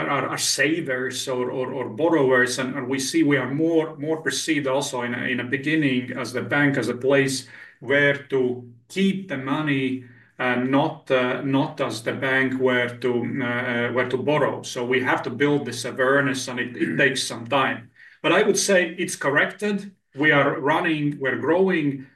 are savers or borrowers. We see we are more perceived also in the beginning as the bank as a place where to keep the money, not as the bank where to borrow. We have to build this awareness, and it takes some time. I would say it's corrected. We are running, we're growing.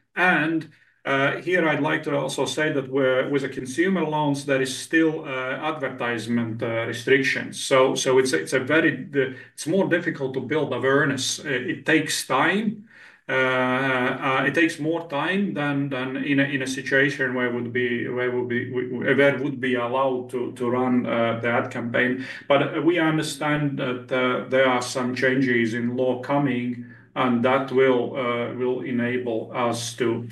Here, I'd like to also say that with the consumer loans, there is still advertisement restrictions. It's more difficult to build awareness. It takes time. It takes more time than in a situation where we would be allowed to run that campaign. We understand that there are some changes in law coming, and that will enable us to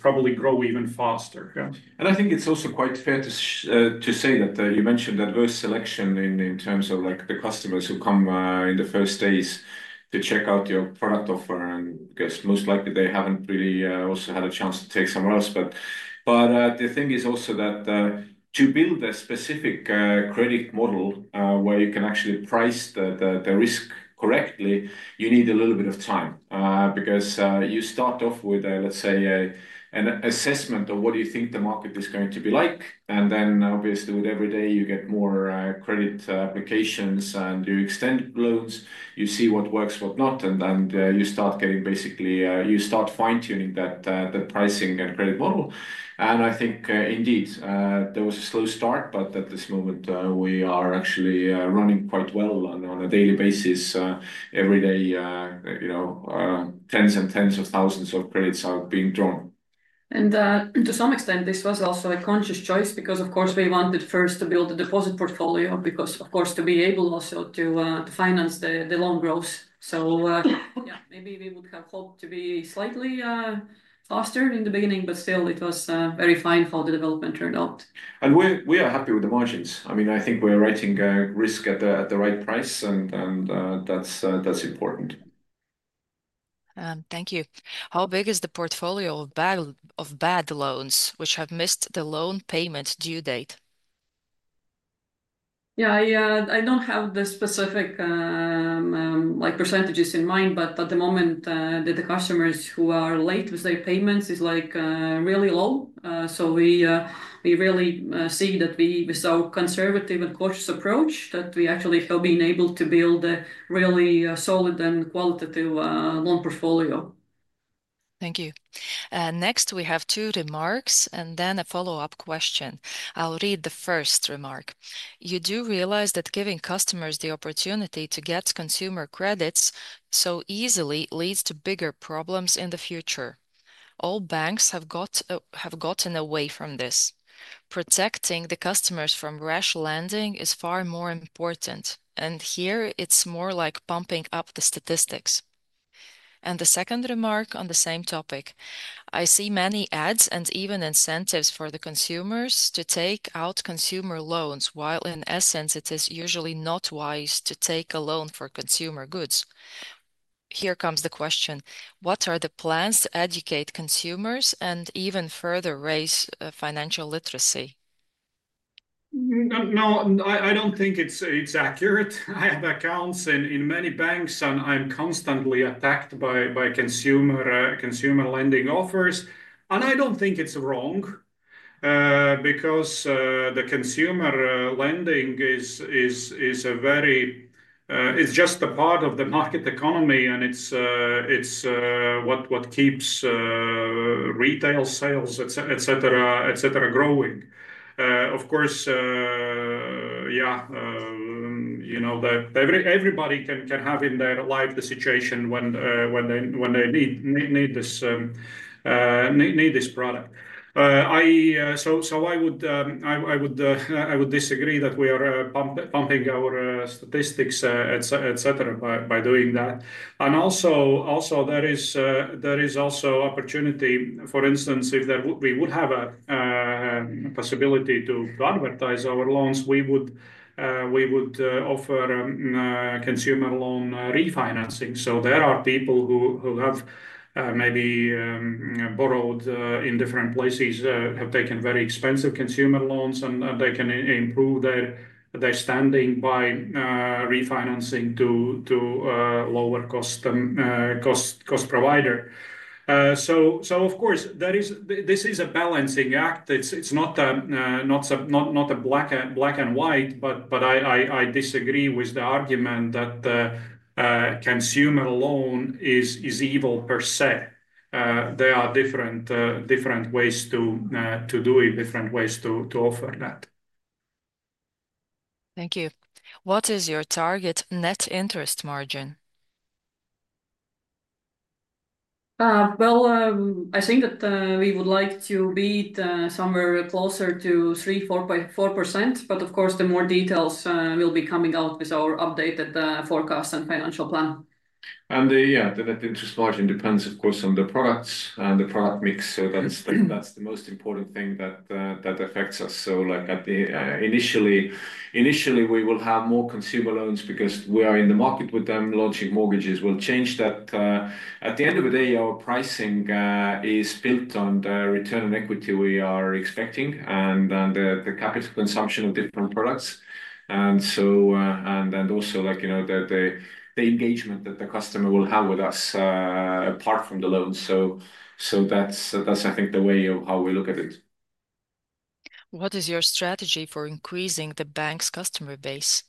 probably grow even faster. I think it's also quite fair to say that you mentioned adverse selection in terms of the customers who come in the first days to check out your product offer. I guess most likely they haven't really also had a chance to take somewhere else. The thing is also that to build a specific credit model where you can actually price the risk correctly, you need a little bit of time because you start off with, let's say, an assessment of what you think the market is going to be like. Obviously with every day you get more credit applications and you extend loans, you see what works, what not, and then you start getting, basically you start fine-tuning that pricing and credit model. I think indeed there was a slow start, but at this moment we are actually running quite well on a daily basis. Every day, tens and tens of thousands of credits are being drawn. To some extent, this was also a conscious choice because, of course, we wanted first to build a deposit portfolio because, of course, to be able also to finance the loan growth. Yeah, maybe we would have hoped to be slightly faster in the beginning, but still it was very fine how the development turned out. We are happy with the margins. I mean, I think we are rating risk at the right price, and that's important. Thank you. How big is the portfolio of bad loans which have missed the loan payment due date? I don't have the specific percentages in mind, but at the moment, the customers who are late with their payments is really low. We really see that with our conservative and cautious approach that we actually have been able to build a really solid and qualitative loan portfolio. Thank you. Next, we have two remarks and then a follow-up question. I'll read the first remark. You do realize that giving customers the opportunity to get consumer credits so easily leads to bigger problems in the future. All banks have gotten away from this. Protecting the customers from rash landing is far more important. Here it's more like pumping up the statistics. The second remark on the same topic. I see many ads and even incentives for the consumers to take out consumer loans while in essence it is usually not wise to take a loan for consumer goods. Here comes the question. What are the plans to educate consumers and even further raise financial literacy? No, I don't think it's accurate. I have accounts in many banks, and I'm constantly attacked by consumer lending offers. I don't think it's wrong because the consumer lending is just a part of the market economy, and it's what keeps retail sales, etc., growing. Of course, yeah, everybody can have in their life the situation when they need this product. I would disagree that we are pumping our statistics, etc., by doing that. There is also opportunity, for instance, if we would have a possibility to advertise our loans, we would offer consumer loan refinancing. There are people who have maybe borrowed in different places, have taken very expensive consumer loans, and they can improve their standing by refinancing to lower cost provider. This is a balancing act. It's not a black and white, but I disagree with the argument that consumer loan is evil per se. There are different ways to do it, different ways to offer that. Thank you. What is your target net interest margin? I think that we would like to be somewhere closer to 3-4%. Of course, the more details will be coming out with our updated forecast and financial plan. Yeah, the net interest margin depends, of course, on the products and the product mix. That is the most important thing that affects us. Initially, we will have more consumer loans because we are in the market with them. Launching mortgages will change that. At the end of the day, our pricing is built on the return on equity we are expecting and the capital consumption of different products. Also, the engagement that the customer will have with us apart from the loans. That is, I think, the way of how we look at it. What is your strategy for increasing the bank's customer base?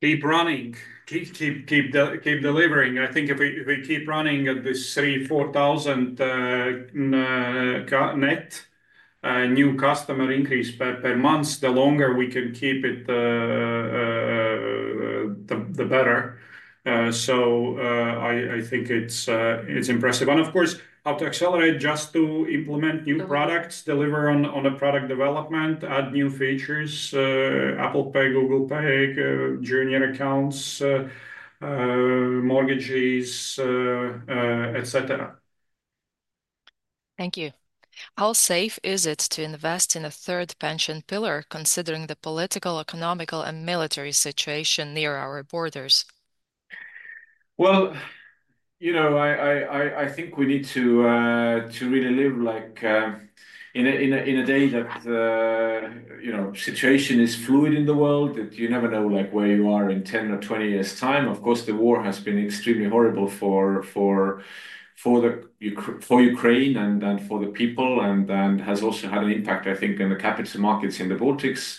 Keep running. Keep delivering. I think if we keep running at this 3,000-4,000 net, new customer increase per month, the longer we can keep it, the better. I think it's impressive. Of course, how to accelerate just to implement new products, deliver on the product development, add new features, Apple Pay, Google Pay, junior accounts, mortgages, etc. Thank you. How safe is it to invest in a third pension pillar considering the political, economical, and military situation near our borders? I think we need to really live in a day that situation is fluid in the world, that you never know where you are in 10 or 20 years' time. Of course, the war has been extremely horrible for Ukraine and for the people and has also had an impact, I think, on the capital markets in the Baltics.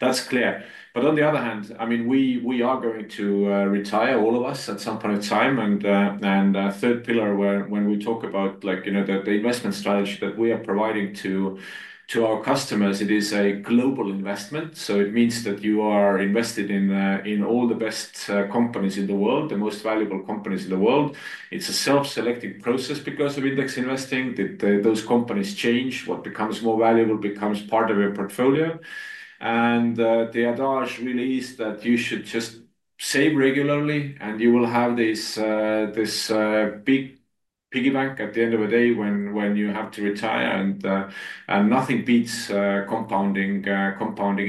That's clear. On the other hand, I mean, we are going to retire, all of us, at some point of time. Third pillar, when we talk about the investment strategy that we are providing to our customers, it is a global investment. It means that you are invested in all the best companies in the world, the most valuable companies in the world. It is a self-selecting process because of index investing. Those companies change. What becomes more valuable becomes part of your portfolio. The adage really is that you should just save regularly, and you will have this big piggy bank at the end of the day when you have to retire. Nothing beats compounding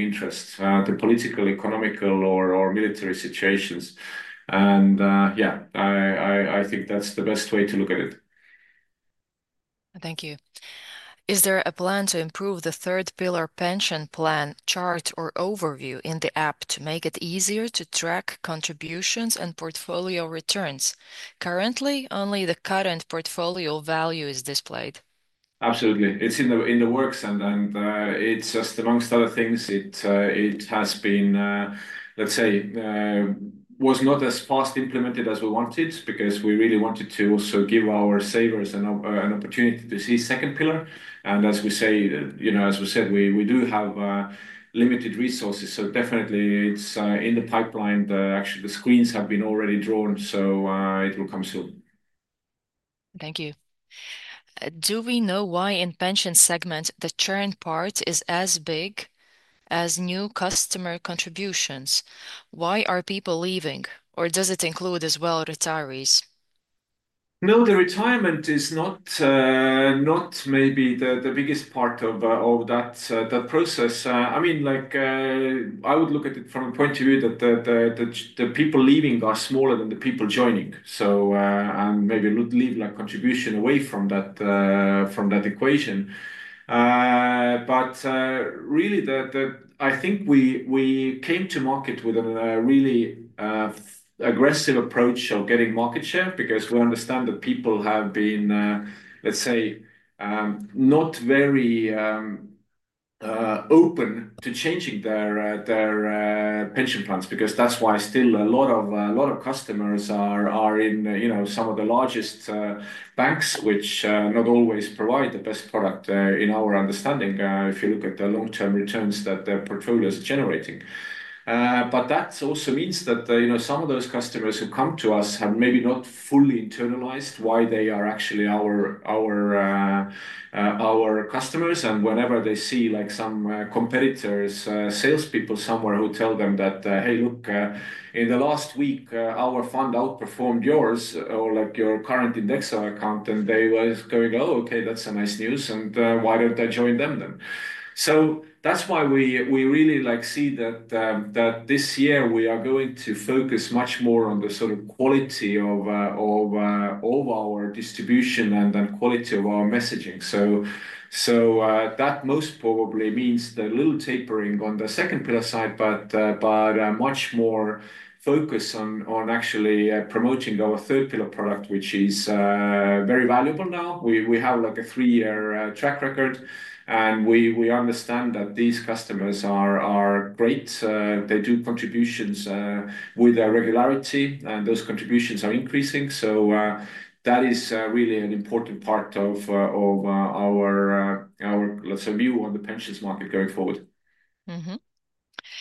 interest, the political, economical, or military situations. I think that is the best way to look at it. Thank you. Is there a plan to improve the third pillar pension plan chart or overview in the app to make it easier to track contributions and portfolio returns? Currently, only the current portfolio value is displayed. Absolutely. It's in the works. It's just amongst other things, it was not as fast implemented as we wanted because we really wanted to also give our savers an opportunity to see second pillar. As we said, we do have limited resources. Definitely it's in the pipeline. Actually, the screens have been already drawn, so it will come soon. Thank you. Do we know why in pension segment the churn part is as big as new customer contributions? Why are people leaving? Or does it include as well retirees? No, the retirement is not maybe the biggest part of that process. I mean, I would look at it from a point of view that the people leaving are smaller than the people joining. Maybe leave contribution away from that equation. Really, I think we came to market with a really aggressive approach of getting market share because we understand that people have been, let's say, not very open to changing their pension plans because that's why still a lot of customers are in some of the largest banks, which not always provide the best product in our understanding if you look at the long-term returns that their portfolio is generating. That also means that some of those customers who come to us have maybe not fully internalized why they are actually our customers. Whenever they see some competitors, salespeople somewhere who tell them that, "Hey, look, in the last week, our fund outperformed yours or your current index account," they are going, "Oh, okay, that's nice news. Why don't I join them then?" That is why we really see that this year we are going to focus much more on the sort of quality of our distribution and quality of our messaging. That most probably means a little tapering on the second pillar side, but much more focus on actually promoting our third pillar product, which is very valuable now. We have a three-year track record, and we understand that these customers are great. They do contributions with regularity, and those contributions are increasing. That is really an important part of our, let's say, view on the pension market going forward.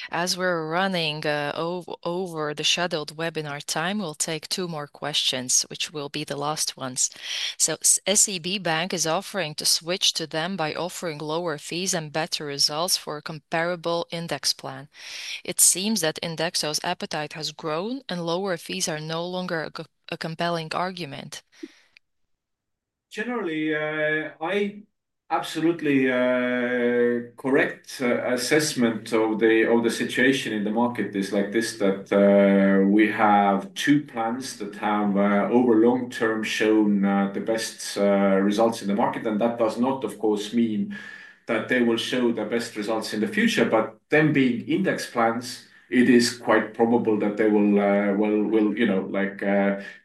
As we're running over the shadowed webinar time, we'll take two more questions, which will be the last ones. SEB Bank is offering to switch to them by offering lower fees and better results for a comparable index plan. It seems that INDEXO's appetite has grown and lower fees are no longer a compelling argument. Generally, I absolutely correct assessment of the situation in the market is like this, that we have two plans that have over long term shown the best results in the market. That does not, of course, mean that they will show the best results in the future. Them being index plans, it is quite probable that they will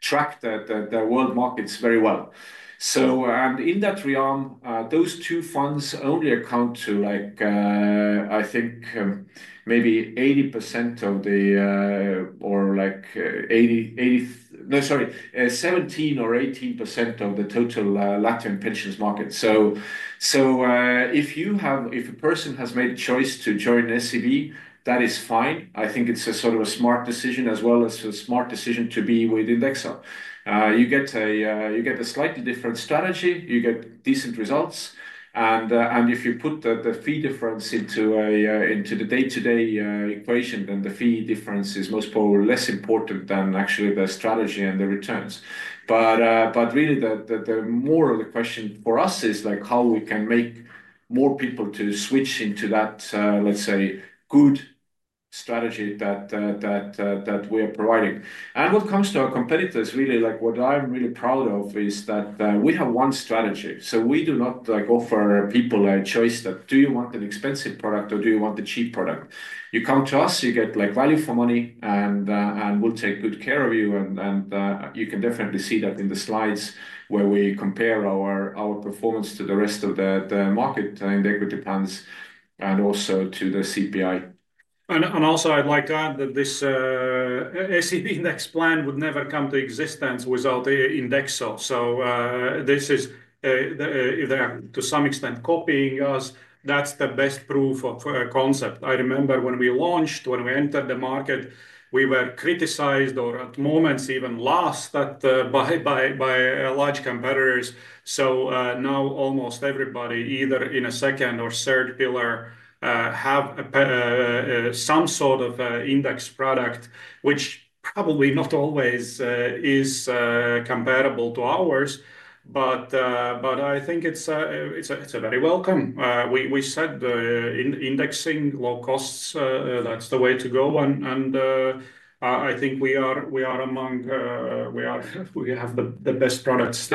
track the world markets very well. In that realm, those two funds only account to, I think, maybe 80%, or sorry, 17% or 18% of the total Latvian pension market. If a person has made a choice to join SEB, that is fine. I think it's a sort of a smart decision as well as a smart decision to be with INDEXO. You get a slightly different strategy. You get decent results. If you put the fee difference into the day-to-day equation, then the fee difference is most probably less important than actually the strategy and the returns. Really, the moral question for us is how we can make more people to switch into that, let's say, good strategy that we are providing. When it comes to our competitors, really, what I'm really proud of is that we have one strategy. We do not offer people a choice that, "Do you want an expensive product or do you want the cheap product?" You come to us, you get value for money, and we'll take good care of you. You can definitely see that in the slides where we compare our performance to the rest of the market index plans and also to the CPI. Also, I'd like to add that this SEB index plan would never come to existence without INDEXO. This is, to some extent, copying us. That's the best proof of concept. I remember when we launched, when we entered the market, we were criticized or at moments even lost by large competitors. Now almost everybody, either in a second or third pillar, have some sort of index product, which probably not always is comparable to ours. I think it's very welcome. We said indexing low costs, that's the way to go. I think we are among, we have the best products.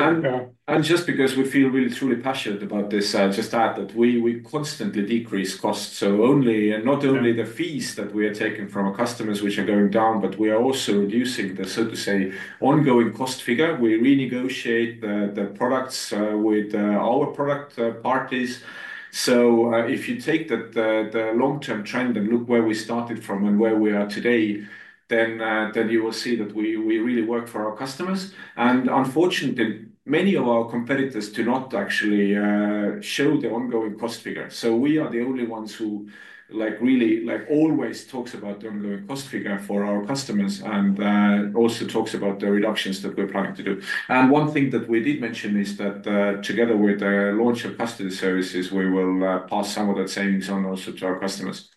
Just because we feel really, truly passionate about this, I just add that we constantly decrease costs. Not only the fees that we are taking from our customers, which are going down, but we are also reducing the, so to say, ongoing cost figure. We renegotiate the products with our product parties. If you take the long-term trend and look where we started from and where we are today, you will see that we really work for our customers. Unfortunately, many of our competitors do not actually show the ongoing cost figure. We are the only ones who really always talk about the ongoing cost figure for our customers and also talk about the reductions that we're trying to do. One thing that we did mention is that together with the launch of custody services, we will pass some of that savings on also to our customers.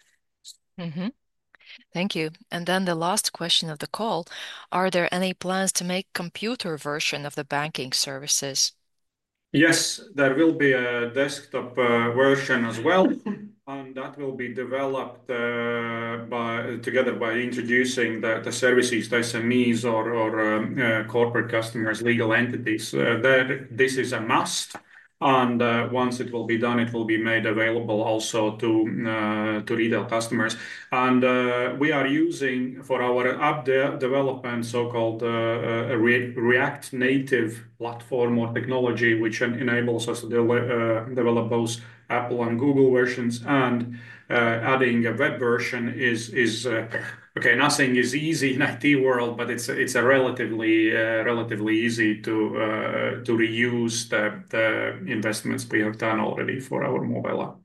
Thank you. The last question of the call, are there any plans to make computer version of the banking services? Yes, there will be a desktop version as well. That will be developed together by introducing the services, SMEs or corporate customers, legal entities. This is a must. Once it will be done, it will be made available also to retail customers. We are using for our app development so-called React Native platform or technology, which enables us to develop both Apple and Google versions. Adding a web version is, okay, nothing is easy in the IT world, but it is relatively easy to reuse the investments we have done already for our mobile app.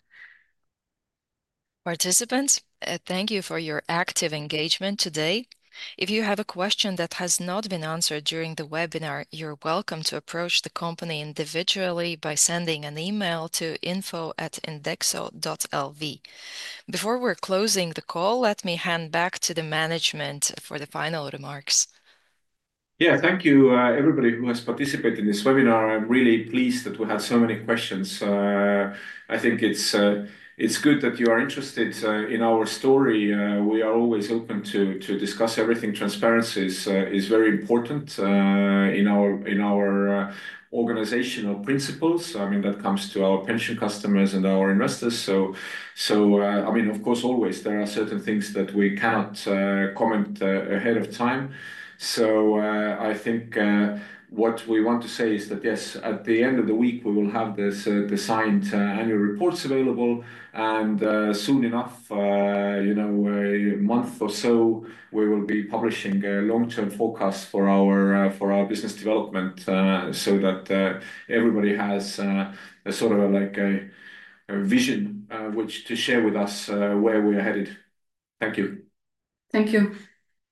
Participants, thank you for your active engagement today. If you have a question that has not been answered during the webinar, you're welcome to approach the company individually by sending an email to info@indexo.lv. Before we're closing the call, let me hand back to the management for the final remarks. Yeah, thank you, everybody who has participated in this webinar. I'm really pleased that we had so many questions. I think it's good that you are interested in our story. We are always open to discuss everything. Transparency is very important in our organizational principles. I mean, that comes to our pension customers and our investors. I mean, of course, always there are certain things that we cannot comment ahead of time. I think what we want to say is that, yes, at the end of the week, we will have the signed annual reports available. Soon enough, a month or so, we will be publishing a long-term forecast for our business development so that everybody has a sort of vision to share with us where we are headed. Thank you. Thank you.